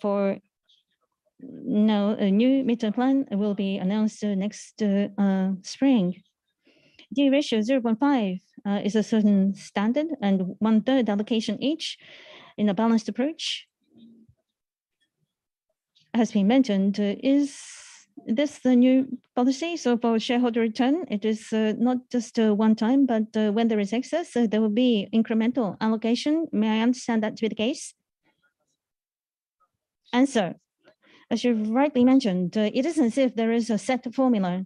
For now, a new midterm plan will be announced next spring. D/E ratio 0.5 is a certain standard, and one-third allocation each in a balanced approach has been mentioned. Is this the new policy? For shareholder return, it is not just one time, but when there is excess, there will be incremental allocation. May I understand that to be the case? Answer. As you've rightly mentioned, it isn't as if there is a set formula.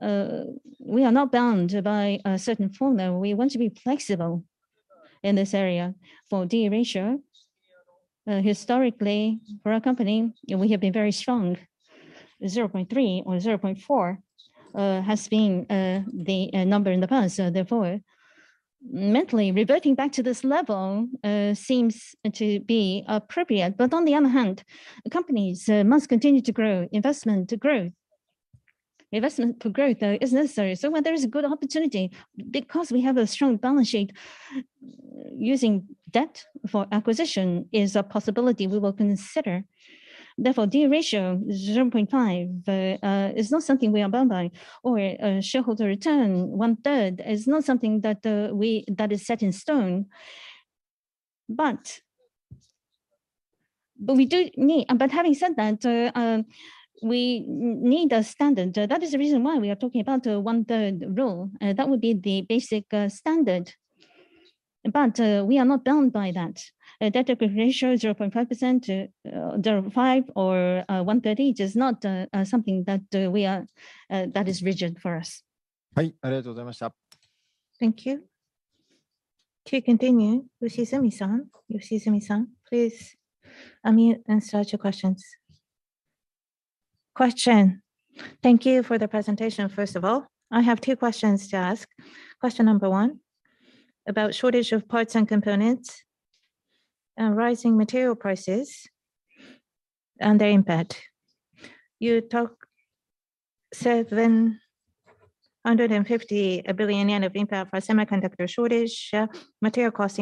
We are not bound by a certain formula. We want to be flexible in this area. For D/E ratio, historically for our company, we have been very strong. 0.3 or 0.4 has been the number in the past. Therefore, mentally reverting back to this level seems to be appropriate. But on the other hand, companies must continue to grow investment to growth. Investment for growth, though, is necessary when there is a good opportunity, because we have a strong balance sheet. Using debt for acquisition is a possibility we will consider. Therefore, D/E ratio 0.5 is not something we are bound by, or a shareholder return 1/3 is not something that we that is set in stone. But we do need a standard. That is the reason why we are talking about a 1/3 rule. That would be the basic standard. But we are not bound by that. A debt/EBITDA ratio 0.5 or 1/3 is just not something that we are that is rigid for us. Thank you. To continue, Yoshizumi-san. Yoshizumi-san, please unmute and start your questions. Question. Thank you for the presentation, first of all. I have two questions to ask. Question number one, about shortage of parts and components and rising material prices and their impact. You talk 750 billion yen of impact for semiconductor shortage, material cost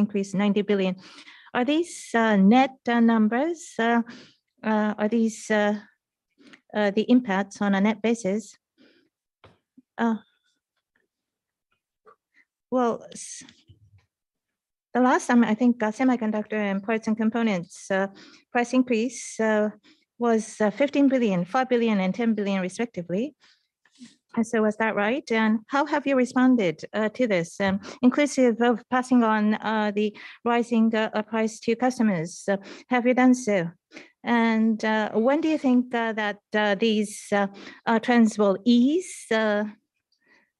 increase, JPY 90 billion. Are these net numbers? Are these the impacts on a net basis? Well, the last time I think, semiconductor and parts and components price increase was 15 billion, 5 billion, and 10 billion respectively. Is that right? How have you responded to this, inclusive of passing on the rising price to your customers? Have you done so? When do you think that these trends will ease?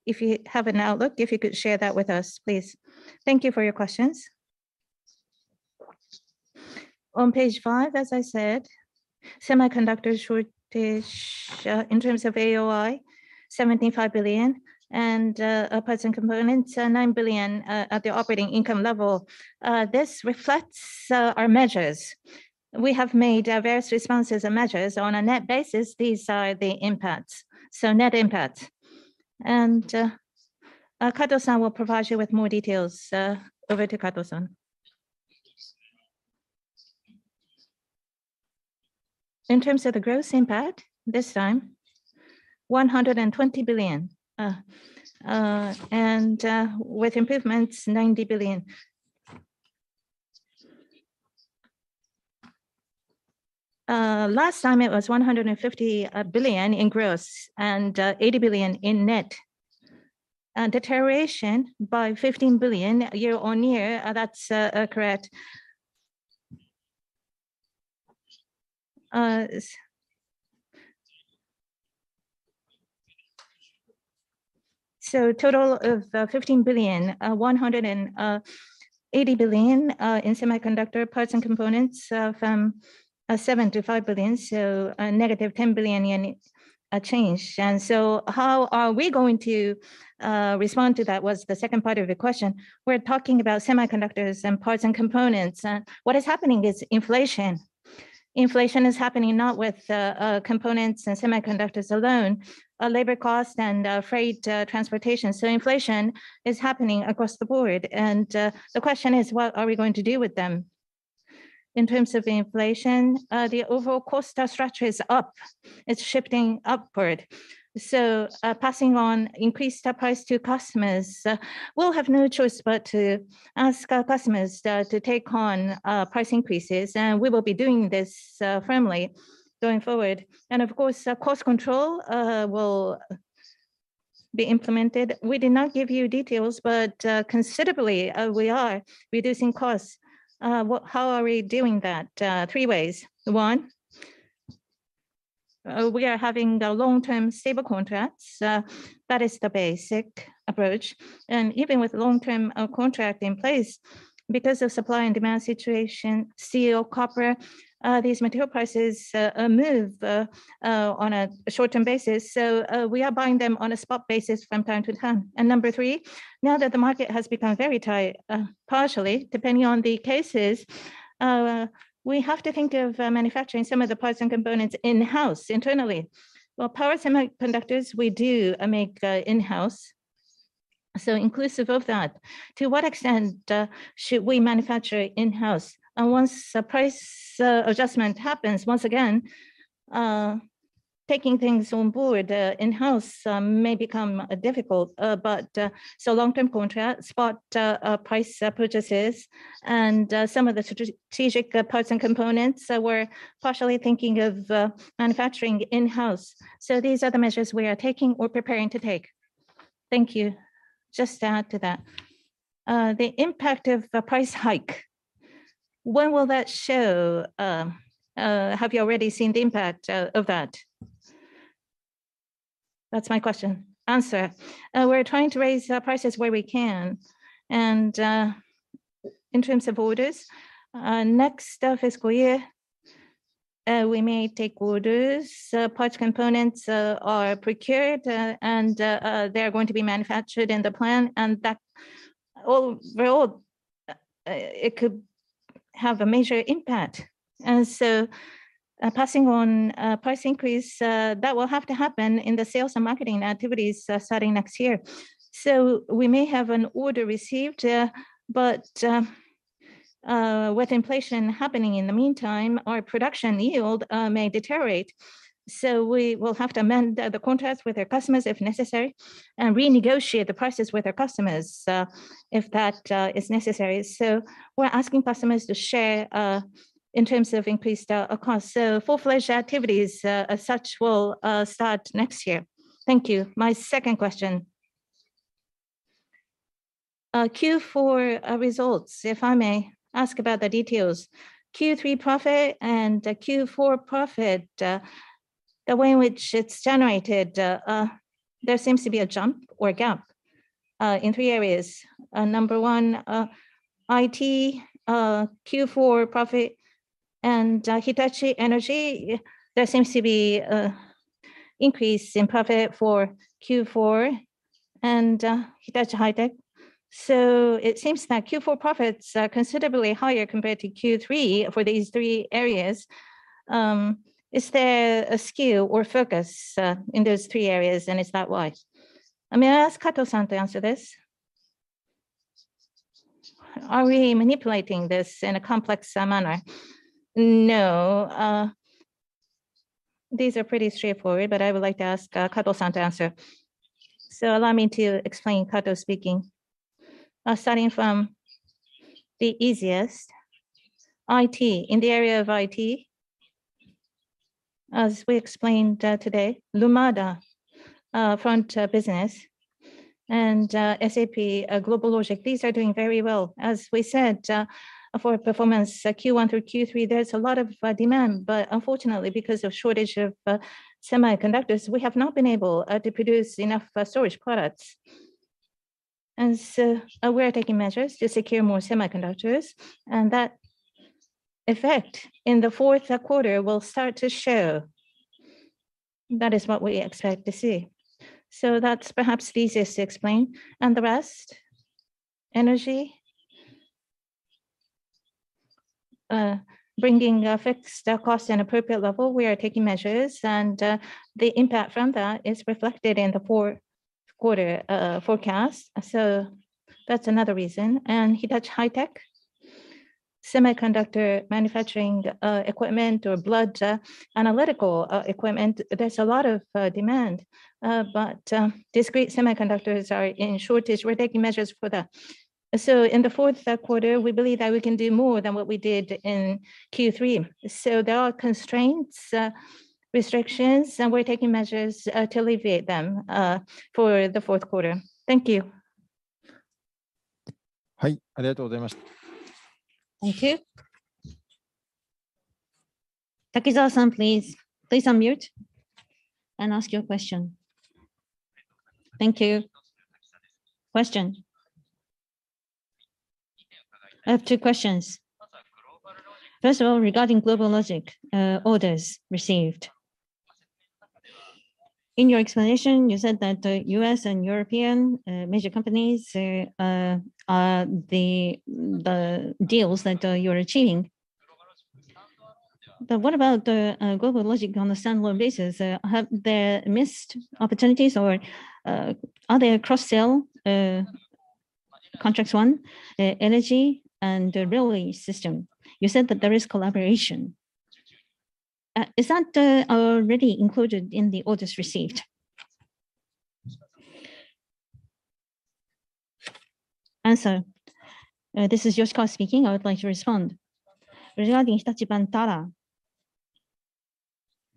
If you have an outlook, if you could share that with us, please. Thank you for your questions. On page five, as I said, semiconductor shortage in terms of AOI, 75 billion and parts and components nine billion at the operating income level. This reflects our measures. We have made various responses and measures. On a net basis, these are the impacts, so net impacts. Kato-san will provide you with more details. Over to Kato-san. In terms of the gross impact, this time, 120 billion and with improvements, 90 billion. Last time it was 150 billion in gross and 80 billion in net. Deterioration by 15 billion year-over-year, that's correct. Total of 15 billion, 180 billion in semiconductor parts and components from 75 billion to 65 billion, so a negative 10 billion change. How are we going to respond to that? That was the second part of the question. We're talking about semiconductors and parts and components. What is happening is inflation. Inflation is happening not with components and semiconductors alone, labor cost and freight transportation. Inflation is happening across the board. The question is, what are we going to do with them? In terms of inflation, the overall cost structure is up. It's shifting upward. Passing on increased price to customers, we'll have no choice but to ask our customers to take on price increases, and we will be doing this firmly going forward. Of course, cost control will be implemented. We did not give you details, but considerably, we are reducing costs. How are we doing that? Three ways. One, we are having the long-term stable contracts. That is the basic approach. Even with long-term contract in place, because of supply and demand situation, steel, copper, these material prices move on a short-term basis. We are buying them on a spot basis from time to time. Number three, now that the market has become very tight, partially, depending on the cases, we have to think of manufacturing some of the parts and components in-house internally. Well, power semiconductors we do make in-house, so inclusive of that. To what extent should we manufacture in-house? Once a price adjustment happens, once again, taking things on board, in-house may become difficult. So long-term contract, spot price purchases, and some of the strategic parts and components, we're partially thinking of manufacturing in-house. These are the measures we are taking or preparing to take. Thank you. Just to add to that, the impact of the price hike, when will that show? Have you already seen the impact of that? That's my question. Answer. We're trying to raise prices where we can. In terms of orders, next fiscal year, we may take orders. Parts components are procured, and they're going to be manufactured in the plant. That overall, it could have a major impact. Passing on price increase that will have to happen in the sales and marketing activities starting next year. We may have an order received, but with inflation happening in the meantime, our production yield may deteriorate, so we will have to amend the contracts with our customers if necessary and renegotiate the prices with our customers if that is necessary. We're asking customers to share in terms of increased costs. Full-fledged activities as such will start next year. Thank you. My second question. Q4 results, if I may ask about the details. Q3 profit and Q4 profit, the way in which it's generated, there seems to be a jump or a gap in three areas. Number one, IT Q4 profit and Hitachi Energy, there seems to be an increase in profit for Q4 and Hitachi High-Tech. It seems that Q4 profits are considerably higher compared to Q3 for these three areas. Is there a skew or focus in those three areas, and is that why? I may ask Kato-san to answer this. Are we manipulating this in a complex manner? No. These are pretty straightforward, but I would like to ask Kato-san to answer. Allow me to explain, Kato speaking. Starting from the easiest, IT. In the area of IT, as we explained today, Lumada front business and SAP, GlobalLogic these are doing very well. As we said, for performance Q1 through Q3, there's a lot of demand, but unfortunately, because of shortage of semiconductors, we have not been able to produce enough storage products. We are taking measures to secure more semiconductors, and that effect in the Q4 will start to show. That is what we expect to see. That's perhaps easiest to explain. The rest, Energy. Bringing fixed costs to an appropriate level, we are taking measures, and the impact from that is reflected in the Q4 forecast. That's another reason. Hitachi High-Tech, semiconductor manufacturing equipment or blood analytical equipment, there's a lot of demand, but discrete semiconductors are in shortage. We're taking measures for that. In the Q4, we believe that we can do more than what we did in Q3. There are constraints, restrictions, and we're taking measures to alleviate them for the Q4. Thank you. I have two questions. First of all, regarding GlobalLogic orders received. In your explanation, you said that U.S. and European major companies are the deals that you're achieving. But what about GlobalLogic on a standalone basis? Have there been missed opportunities or are there cross-sell contracts won, energy and the railway system? You said that there is collaboration. Is that already included in the orders received? This is Yoshikawa speaking. I would like to respond. Regarding Hitachi Vantara,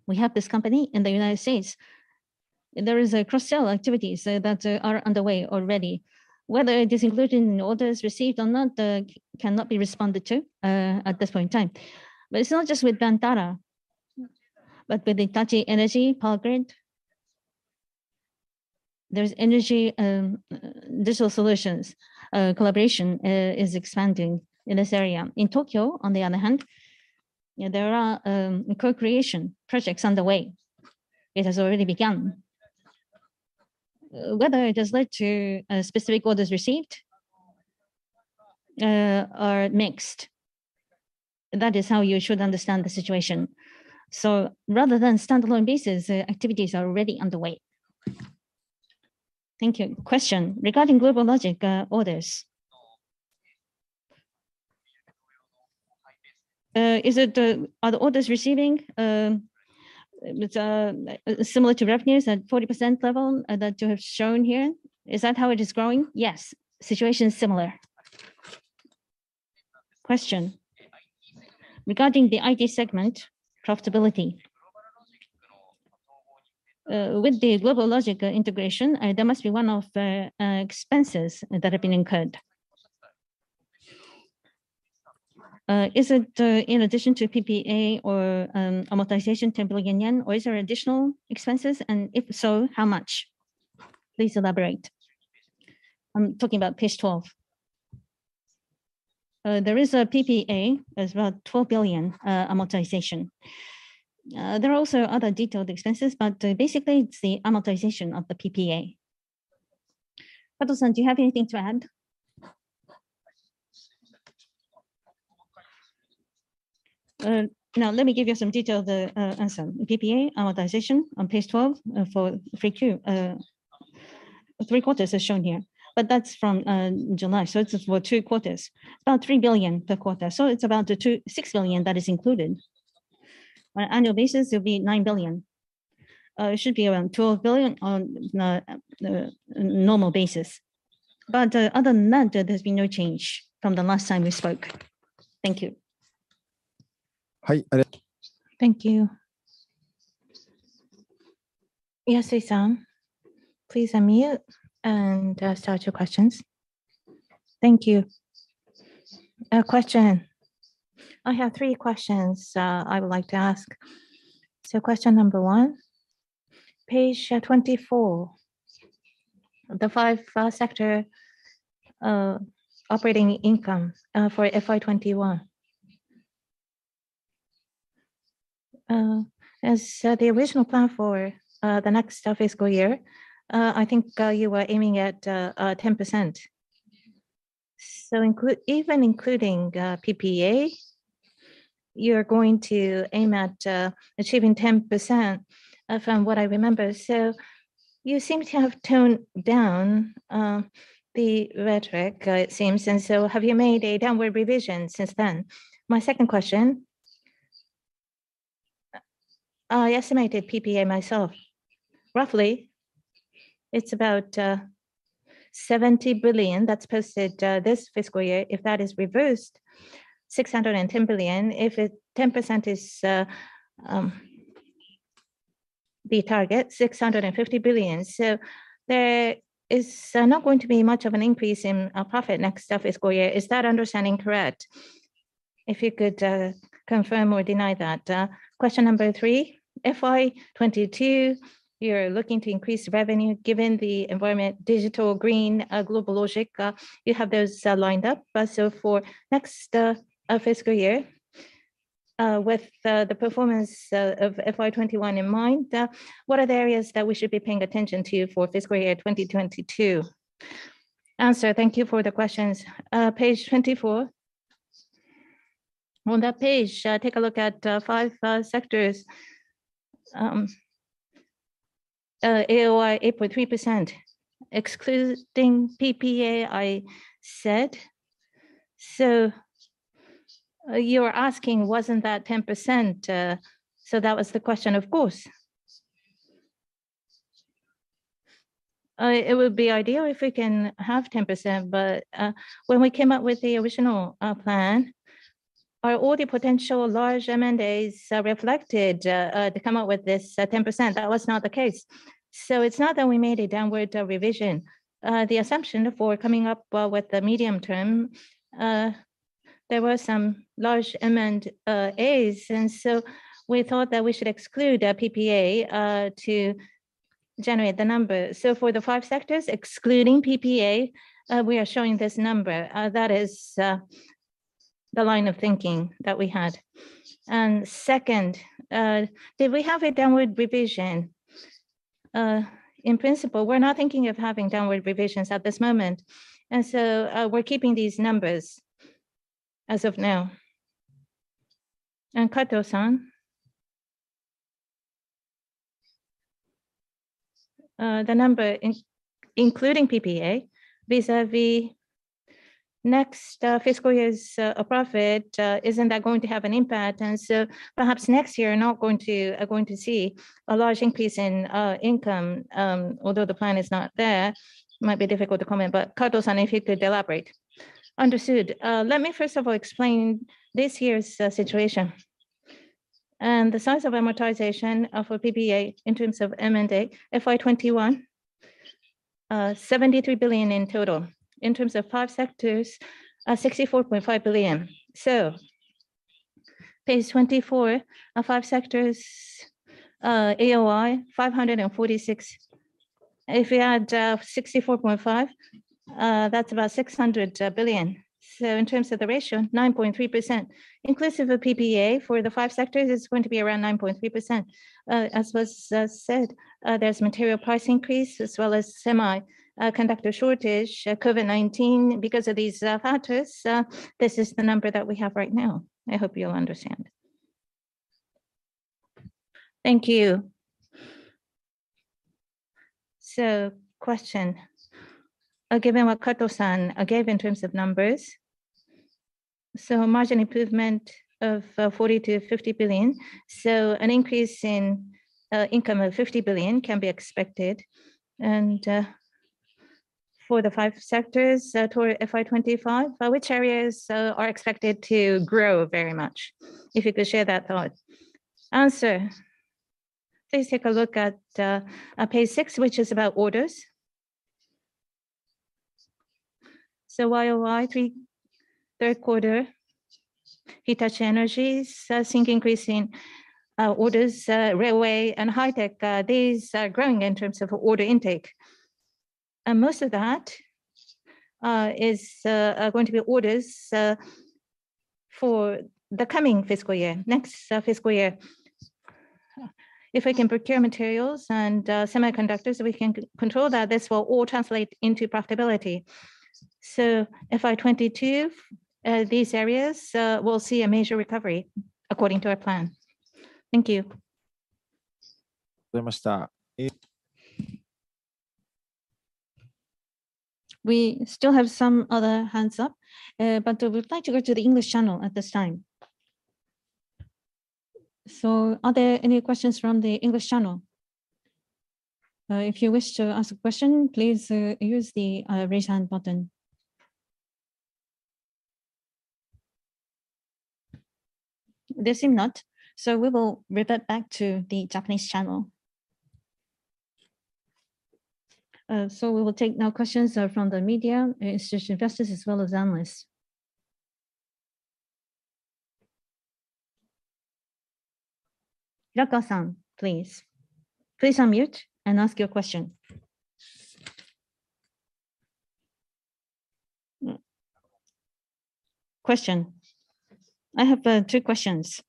we have this company in the United States. There is a cross-sell activities that are underway already. Whether it is included in orders received or not cannot be responded to at this point in time. It's not just with Vantara, but with Hitachi Energy, Power Grid. There's energy digital solutions. Collaboration is expanding in this area. In Tokyo, on the other hand, there are co-creation projects on the way. It has already begun. Whether it has led to specific orders received are mixed. That is how you should understand the situation. Rather than standalone basis, activities are already underway. Thank you. Question regarding GlobalLogic orders. Is it are the orders received it's similar to revenues at 40% level that you have shown here? Is that how it is growing? Yes. Situation is similar. Regarding the IT segment profitability. With the GlobalLogic integration, there must be one of the expenses that have been incurred. Is it in addition to PPA or amortization JPY 10 billion, or is there additional expenses? And if so, how much? Please elaborate. I'm talking about page 12. There is a PPA. There's about 12 billion amortization. There are also other detailed expenses, but basically it's the amortization of the PPA. Kato-san, do you have anything to add? Now let me give you some detail of the answer. PPA amortization on page 12 for 3Q, 3 quarters as shown here, but that's from July. It's for 2 quarters, about 3 billion per quarter. It's about 6 billion that is included. On annual basis, it'll be 9 billion. It should be around 12 billion on the normal basis. Other than that, there's been no change from the last time we spoke. Thank you. Hi. Thank you. Yasui-san, please unmute and start your questions. Thank you. Question. I have three questions I would like to ask. Question number one, page 24, the five sector operating income for FY 2021. As the original plan for the next fiscal year, I think you were aiming at 10%. Even including PPA, you're going to aim at achieving 10%, from what I remember. You seem to have toned down the rhetoric, it seems. Have you made a downward revision since then? My second question, I estimated PPA myself. Roughly, it's about 70 billion that's posted this fiscal year. If that is reversed, 610 billion. If it... 10% is the target, 650 billion. There is not going to be much of an increase in profit next fiscal year. Is that understanding correct? If you could confirm or deny that. Question number three, FY 2022, you're looking to increase revenue given the environment, digital, green, GlobalLogic, you have those lined up. For next fiscal year, with the performance of FY 2021 in mind, what are the areas that we should be paying attention to for fiscal year 2022? Answer. Thank you for the questions. Page 24. On that page, take a look at five sectors. AOI 8.3%, excluding PPA, I said. You're asking wasn't that 10%, so that was the question, of course. It would be ideal if we can have 10%, but when we came up with the original plan, all the potential large M&As are reflected to come up with this 10%. That was not the case. It's not that we made a downward revision. The assumption for coming up with the medium term, there were some large M&As, and so we thought that we should exclude PPA to generate the number. For the five sectors, excluding PPA, we are showing this number. That is the line of thinking that we had. Second, did we have a downward revision? In principle, we're not thinking of having downward revisions at this moment, and so we're keeping these numbers as of now. Kato-san, the number including PPA vis-à-vis next fiscal year's profit, isn't that going to have an impact? Perhaps next year, you are going to see a large increase in income, although the plan is not there. Might be difficult to comment, but Kato-san, if you could elaborate. Understood. Let me first of all explain this year's situation. The size of amortization of a PPA in terms of M&A, FY 2021, 73 billion in total. In terms of five sectors, 64.5 billion. Page 24, five sectors, AOI 546. If you add 64.5, that's about 600 billion. In terms of the ratio, 9.3%. Inclusive of PPA for the five sectors, it's going to be around 9.3%. As was said, there's material price increase as well as semiconductor shortage, COVID-19. Because of these factors, this is the number that we have right now. I hope you'll understand. Thank you. Question. Given what Kato-san gave in terms of numbers, a margin improvement of 40 billion-50 billion. An increase in income of 50 billion can be expected. For the five sectors, toward FY 2025, which areas are expected to grow very much? If you could share that thought. Answer. Please take a look at page six, which is about orders. YOY, Hitachi Energy's seeing increase in orders, railway and High-Tech. These are growing in terms of order intake. Most of that is going to be orders for the coming fiscal year, next fiscal year. If we can procure materials and semiconductors, we can control that. This will all translate into profitability. FY 2022, these areas, will see a major recovery according to our plan. Thank you. We still have some other hands up, but we'd like to go to the English channel at this time. Are there any questions from the English channel? If you wish to ask a question, please, use the raise hand button. There seem not, so we will revert back to the Japanese channel. We will now take questions from the media, institutional investors, as well as analysts. Hirakawa-san, please. Please unmute and ask your question. I have two questions.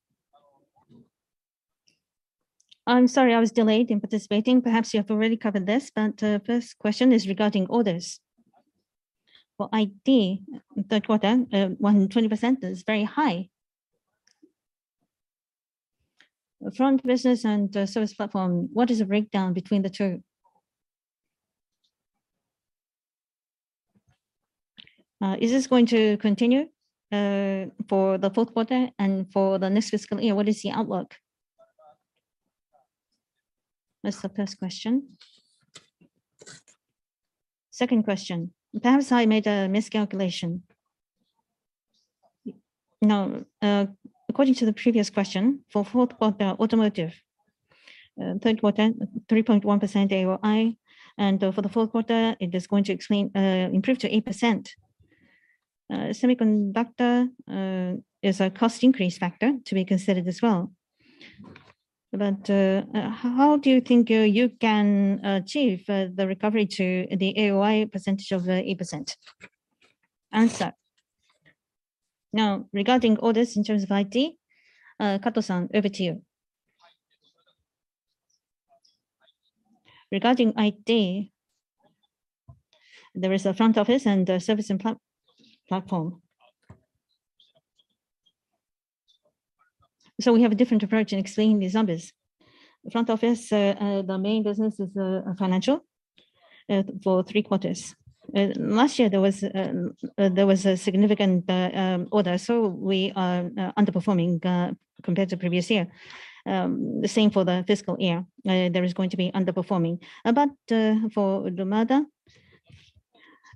I'm sorry I was delayed in participating. Perhaps you have already covered this, but first question is regarding orders. For IT, Q3, 120% is very high. Front business and service platform, what is the breakdown between the two? Is this going to continue for the Q4 and for the next fiscal year? What is the outlook? That's the first question. Second question. Perhaps I made a miscalculation. Now, according to the previous question, for Q4 automotive, Q3, 3.1% AOI, and for the Q4, it is going to improve to 8%. Semiconductor is a cost increase factor to be considered as well. But how do you think you can achieve the recovery to the AOI percentage of 8%? Answer. Now, regarding orders in terms of IT, Kato-san, over to you. Regarding IT, there is a front office and a service and platform. We have a different approach in explaining these numbers. Front office, the main business is financial for three quarters. Last year there was a significant order, so we are underperforming compared to previous year. The same for the fiscal year. There is going to be underperforming. For Lumada,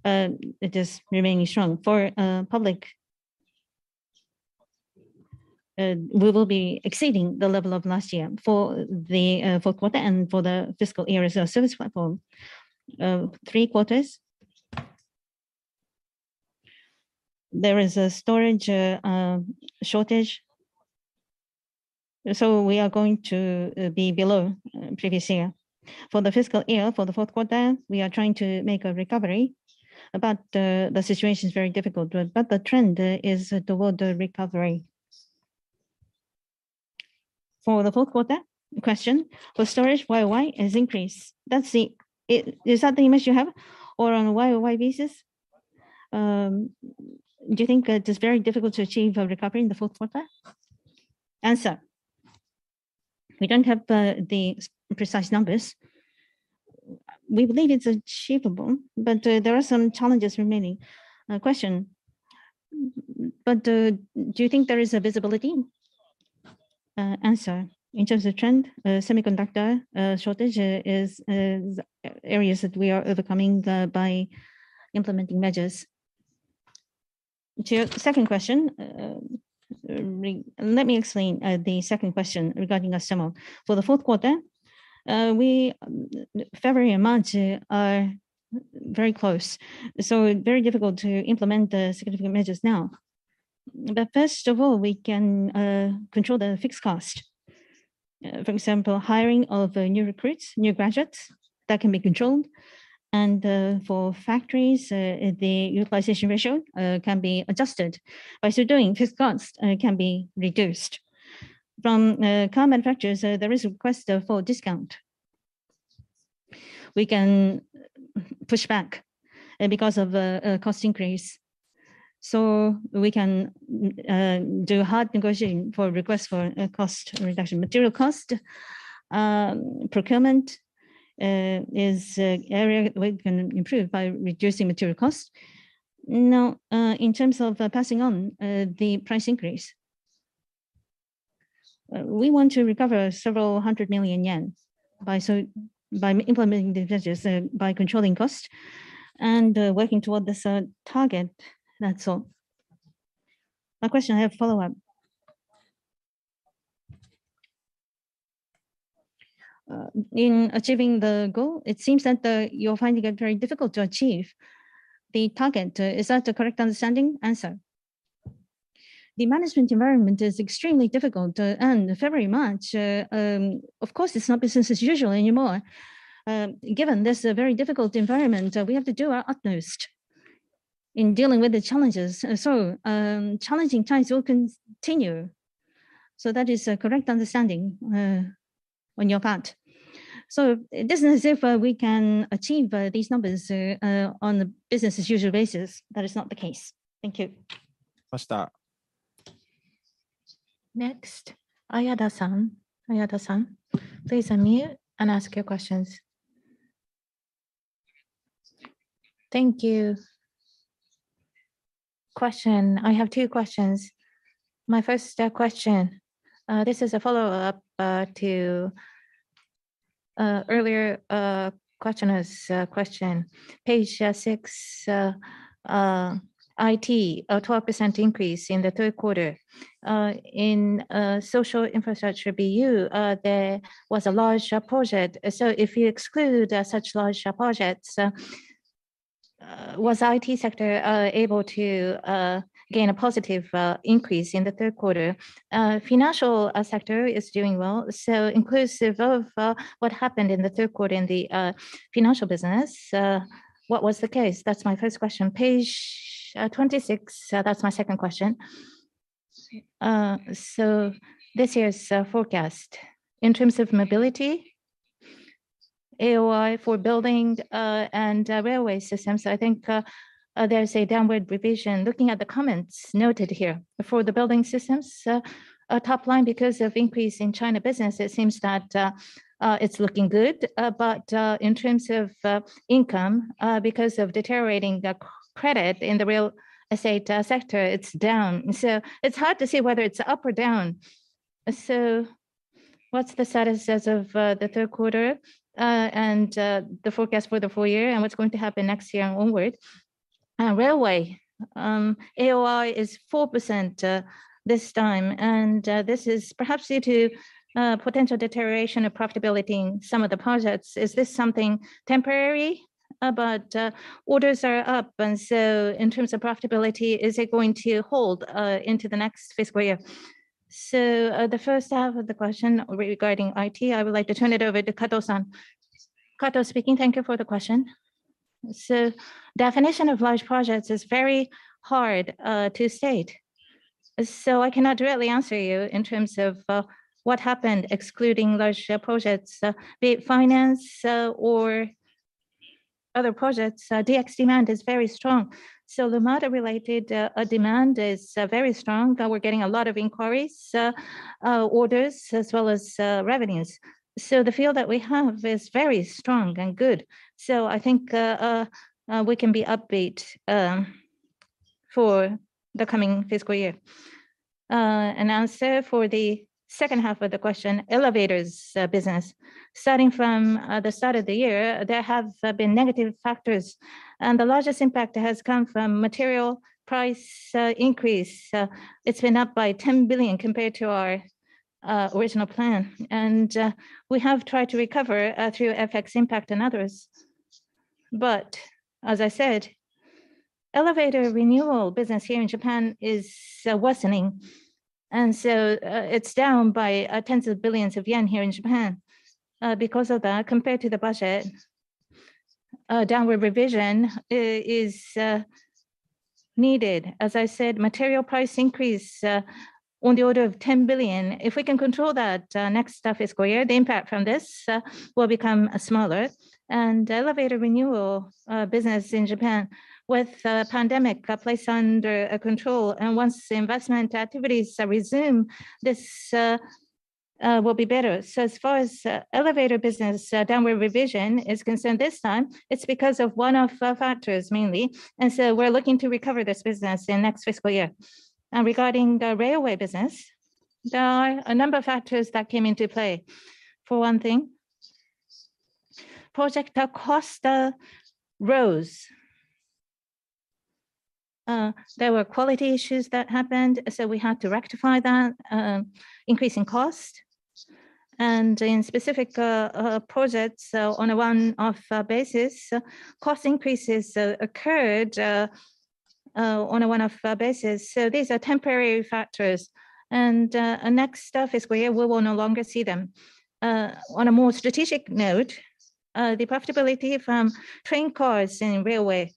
it is remaining strong. For public, we will be exceeding the level of last year for the Q4 and for the fiscal year as a service platform. Three quarters, there is a storage shortage, so we are going to be below previous year. For the fiscal year, for the Q4, we are trying to make a recovery, but the situation is very difficult. The trend is toward the recovery. For the Q4, the question for storage YOY has increased. That's the image you have or on a YOY basis? Do you think it is very difficult to achieve a recovery in the Q4? Answer. We don't have the precise numbers. We believe it's achievable, but there are some challenges remaining. Question. Do you think there is a visibility? Answer. In terms of trend, semiconductor shortage is areas that we are overcoming them by implementing measures. To your second question, let me explain the second question regarding Astemo. For the Q4, February and March are very close, so very difficult to implement the significant measures now. But first of all, we can control the fixed cost. For example, hiring of new recruits, new graduates, that can be controlled. For factories, the utilization ratio can be adjusted. By so doing, fixed cost can be reduced. From car manufacturers, there is request for discount. We can push back because of cost increase. We can do hard negotiating for request for a cost reduction. Material cost procurement is an area we can improve by reducing material cost. Now, in terms of passing on the price increase, we want to recover several hundred million JPY by implementing these measures, by controlling cost and working toward this target. That's all. Now question, I have follow-up. In achieving the goal, it seems that you're finding it very difficult to achieve the target. Is that the correct understanding? The management environment is extremely difficult. February, March, of course it's not business as usual anymore. Given this very difficult environment, we have to do our utmost. In dealing with the challenges. Challenging times will continue, so that is a correct understanding on your part. It isn't as if we can achieve these numbers on a business as usual basis. That is not the case. Thank you. Next, Yasui-san. Yasui-san, please unmute and ask your questions. Thank you. I have two questions. My first question, this is a follow-up to earlier questioner's question. Page 6, IT a 12% increase in the Q3. In social infrastructure BU, there was a large project. If you exclude such large projects, was IT sector able to gain a positive increase in the Q3? Financial sector is doing well, so inclusive of what happened in the Q3 in the financial business, what was the case? That's my first question. Page 26, that's my second question. See. This year's forecast. In terms of mobility, AOI for building and railway systems, I think there's a downward revision. Looking at the comments noted here, for the building systems, top line because of increase in China business, it seems that it's looking good. In terms of income, because of deteriorating the credit in the real estate sector, it's down. It's hard to say whether it's up or down. What's the status as of the Q3 and the forecast for the full year, and what's going to happen next year onward? Railway AOI is 4% this time, and this is perhaps due to potential deterioration of profitability in some of the projects. Is this something temporary? Orders are up, and in terms of profitability, is it going to hold into the next fiscal year? The first half of the question regarding IT, I would like to turn it over to Kato-san. Kato speaking. Thank you for the question. Definition of large projects is very hard to state. I cannot directly answer you in terms of what happened excluding large projects. Be it finance or other projects, DX demand is very strong. The model-related demand is very strong. We're getting a lot of inquiries, orders, as well as revenues. The feel that we have is very strong and good, so I think we can be upbeat for the coming fiscal year. As for the second half of the question, elevator business. Starting from the start of the year, there have been negative factors, and the largest impact has come from material price increase. It's been up by 10 billion compared to our original plan, and we have tried to recover through FX impact and others. But as I said, elevator renewal business here in Japan is worsening. It's down by tens of billions of JPY here in Japan. Because of that, compared to the budget, a downward revision is needed. As I said, material price increase on the order of 10 billion. If we can control that, next fiscal year, the impact from this will become smaller. Elevator renewal business in Japan with pandemic placed under control and once investment activities resume, this will be better. As far as elevator business downward revision is concerned this time, it's because of one-off factors mainly, and so we're looking to recover this business in next fiscal year. Regarding the railway business, there are a number of factors that came into play. For one thing, project cost rose. There were quality issues that happened, so we had to rectify that, increasing cost. In specific projects, on a one-off basis, cost increases occurred on a one-off basis, so these are temporary factors. Next fiscal year, we will no longer see them. On a more strategic note, the profitability from train cars in railway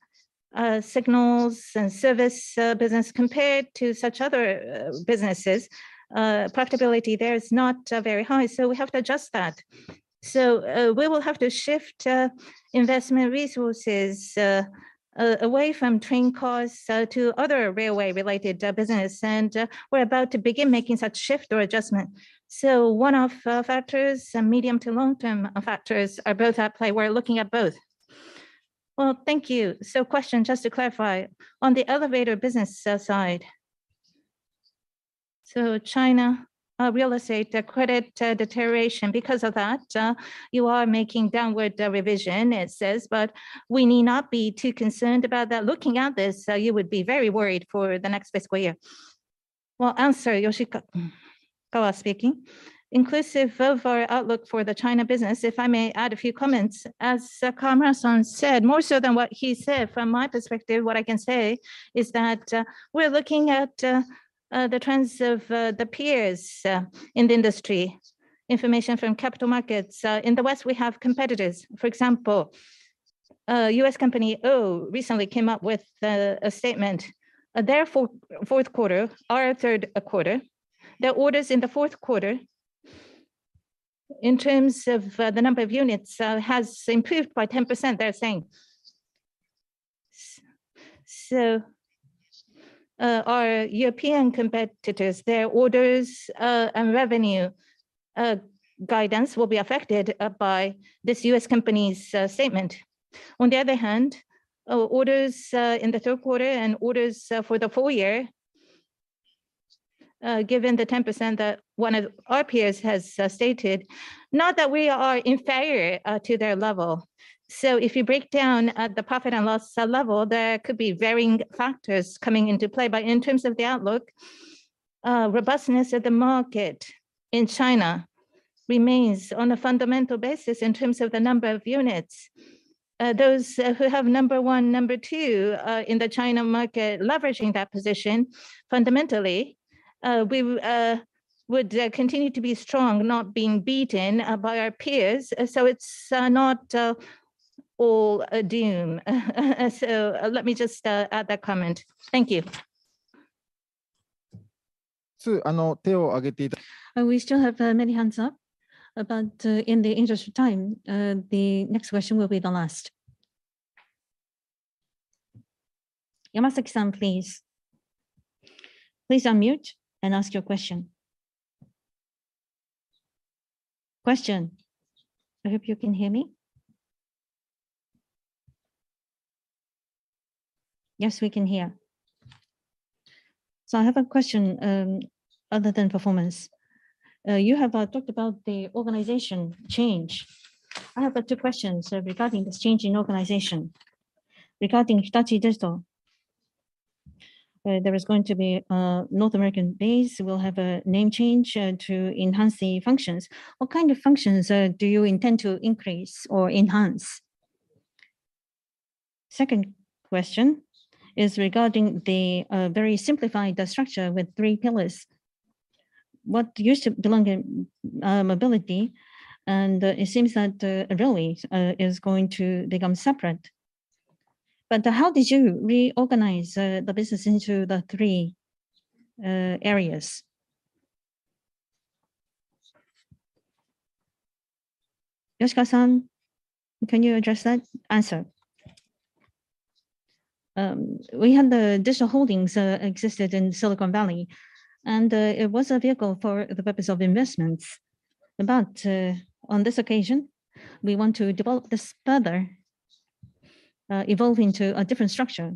signals and service business compared to such other businesses, profitability there is not very high, so we have to adjust that. We will have to shift investment resources away from train cars to other railway related business. We're about to begin making such shift or adjustment. One-off factors and medium to long term factors are both at play. We're looking at both. Well, thank you. Question just to clarify. On the elevator business side, so China real estate credit deterioration, because of that, you are making downward revision, it says, but we need not be too concerned about that. Looking at this, you would be very worried for the next fiscal year. Well, answer, Yoshikawa speaking. Inclusive of our outlook for the China business, if I may add a few comments. As Kawamura-san said, more so than what he said, from my perspective, what I can say is that, we're looking at the trends of the peers in the industry. Information from capital markets. In the West, we have competitors. For example, U.S. company Otis recently came up with a statement. Therefore, Q4 orders in the Q4 in terms of the number of units has improved by 10% they're saying. Our European competitors' orders and revenue guidance will be affected by this US company's statement. On the other hand, our orders in the Q4 and orders for the full year, given the 10% that one of our peers has stated, not that we are inferior to their level. If you break down the profit and loss level, there could be varying factors coming into play. In terms of the outlook, robustness of the market in China remains on a fundamental basis in terms of the number of units. Those who have number 1, number 2 in the China market leveraging that position, fundamentally, we would continue to be strong, not being beaten by our peers, so it's not all doom. Let me just add that comment. Thank you. We still have many hands up, but in the interest of time, the next question will be the last. Masaya Yamasaki, please. Please unmute and ask your question. Question. I hope you can hear me. Yes, we can hear. I have a question, other than performance. You have talked about the organization change. I have two questions regarding this change in organization. Regarding Hitachi Digital, there is going to be a North American base will have a name change to enhance the functions. What kind of functions do you intend to increase or enhance? Second question is regarding the very simplified structure with three pillars. What used to belong in mobility, and it seems that Railway is going to become separate. But how did you reorganize the business into the three areas? Yoshikawa-san, can you address that? Answer. We had the digital holdings existed in Silicon Valley, and it was a vehicle for the purpose of investments. On this occasion, we want to develop this further, evolve into a different structure.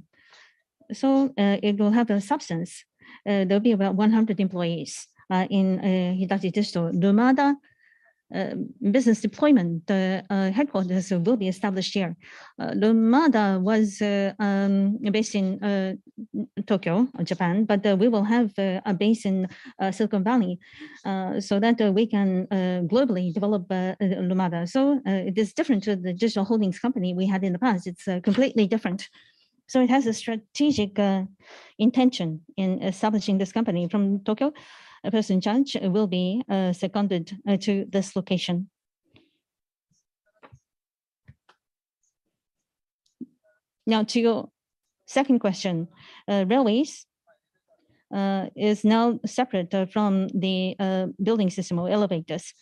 It will have a substance. There'll be about 100 employees in Hitachi Digital. Lumada business deployment headquarters will be established here. Lumada was based in Tokyo or Japan, but we will have a base in Silicon Valley, so that we can globally develop Lumada. It is different to the digital holdings company we had in the past. It's completely different. It has a strategic intention in establishing this company from Tokyo. A person in charge will be seconded to this location. Now to your second question. Railways is now separate from the building system or elevators.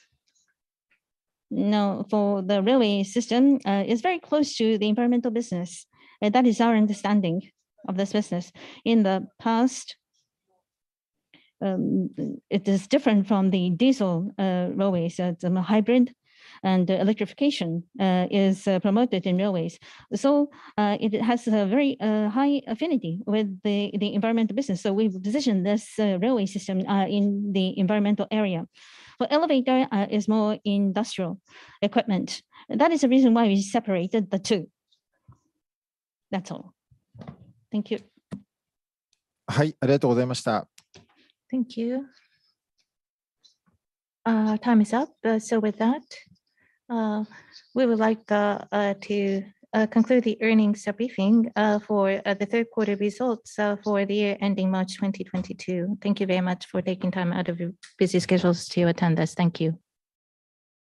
Now, for the railway system is very close to the environmental business, and that is our understanding of this business. In the past, it is different from the diesel railways. The hybrid and electrification is promoted in railways. It has a very high affinity with the environmental business. We've positioned this railway system in the environmental area. For elevator is more industrial equipment. That is the reason why we separated the two. That's all. Thank you. Thank you. Time is up, so with that, we would like to conclude the earnings briefing for the Q3 results for the year ending March 2022. Thank you very much for taking time out of your busy schedules to attend this. Thank you.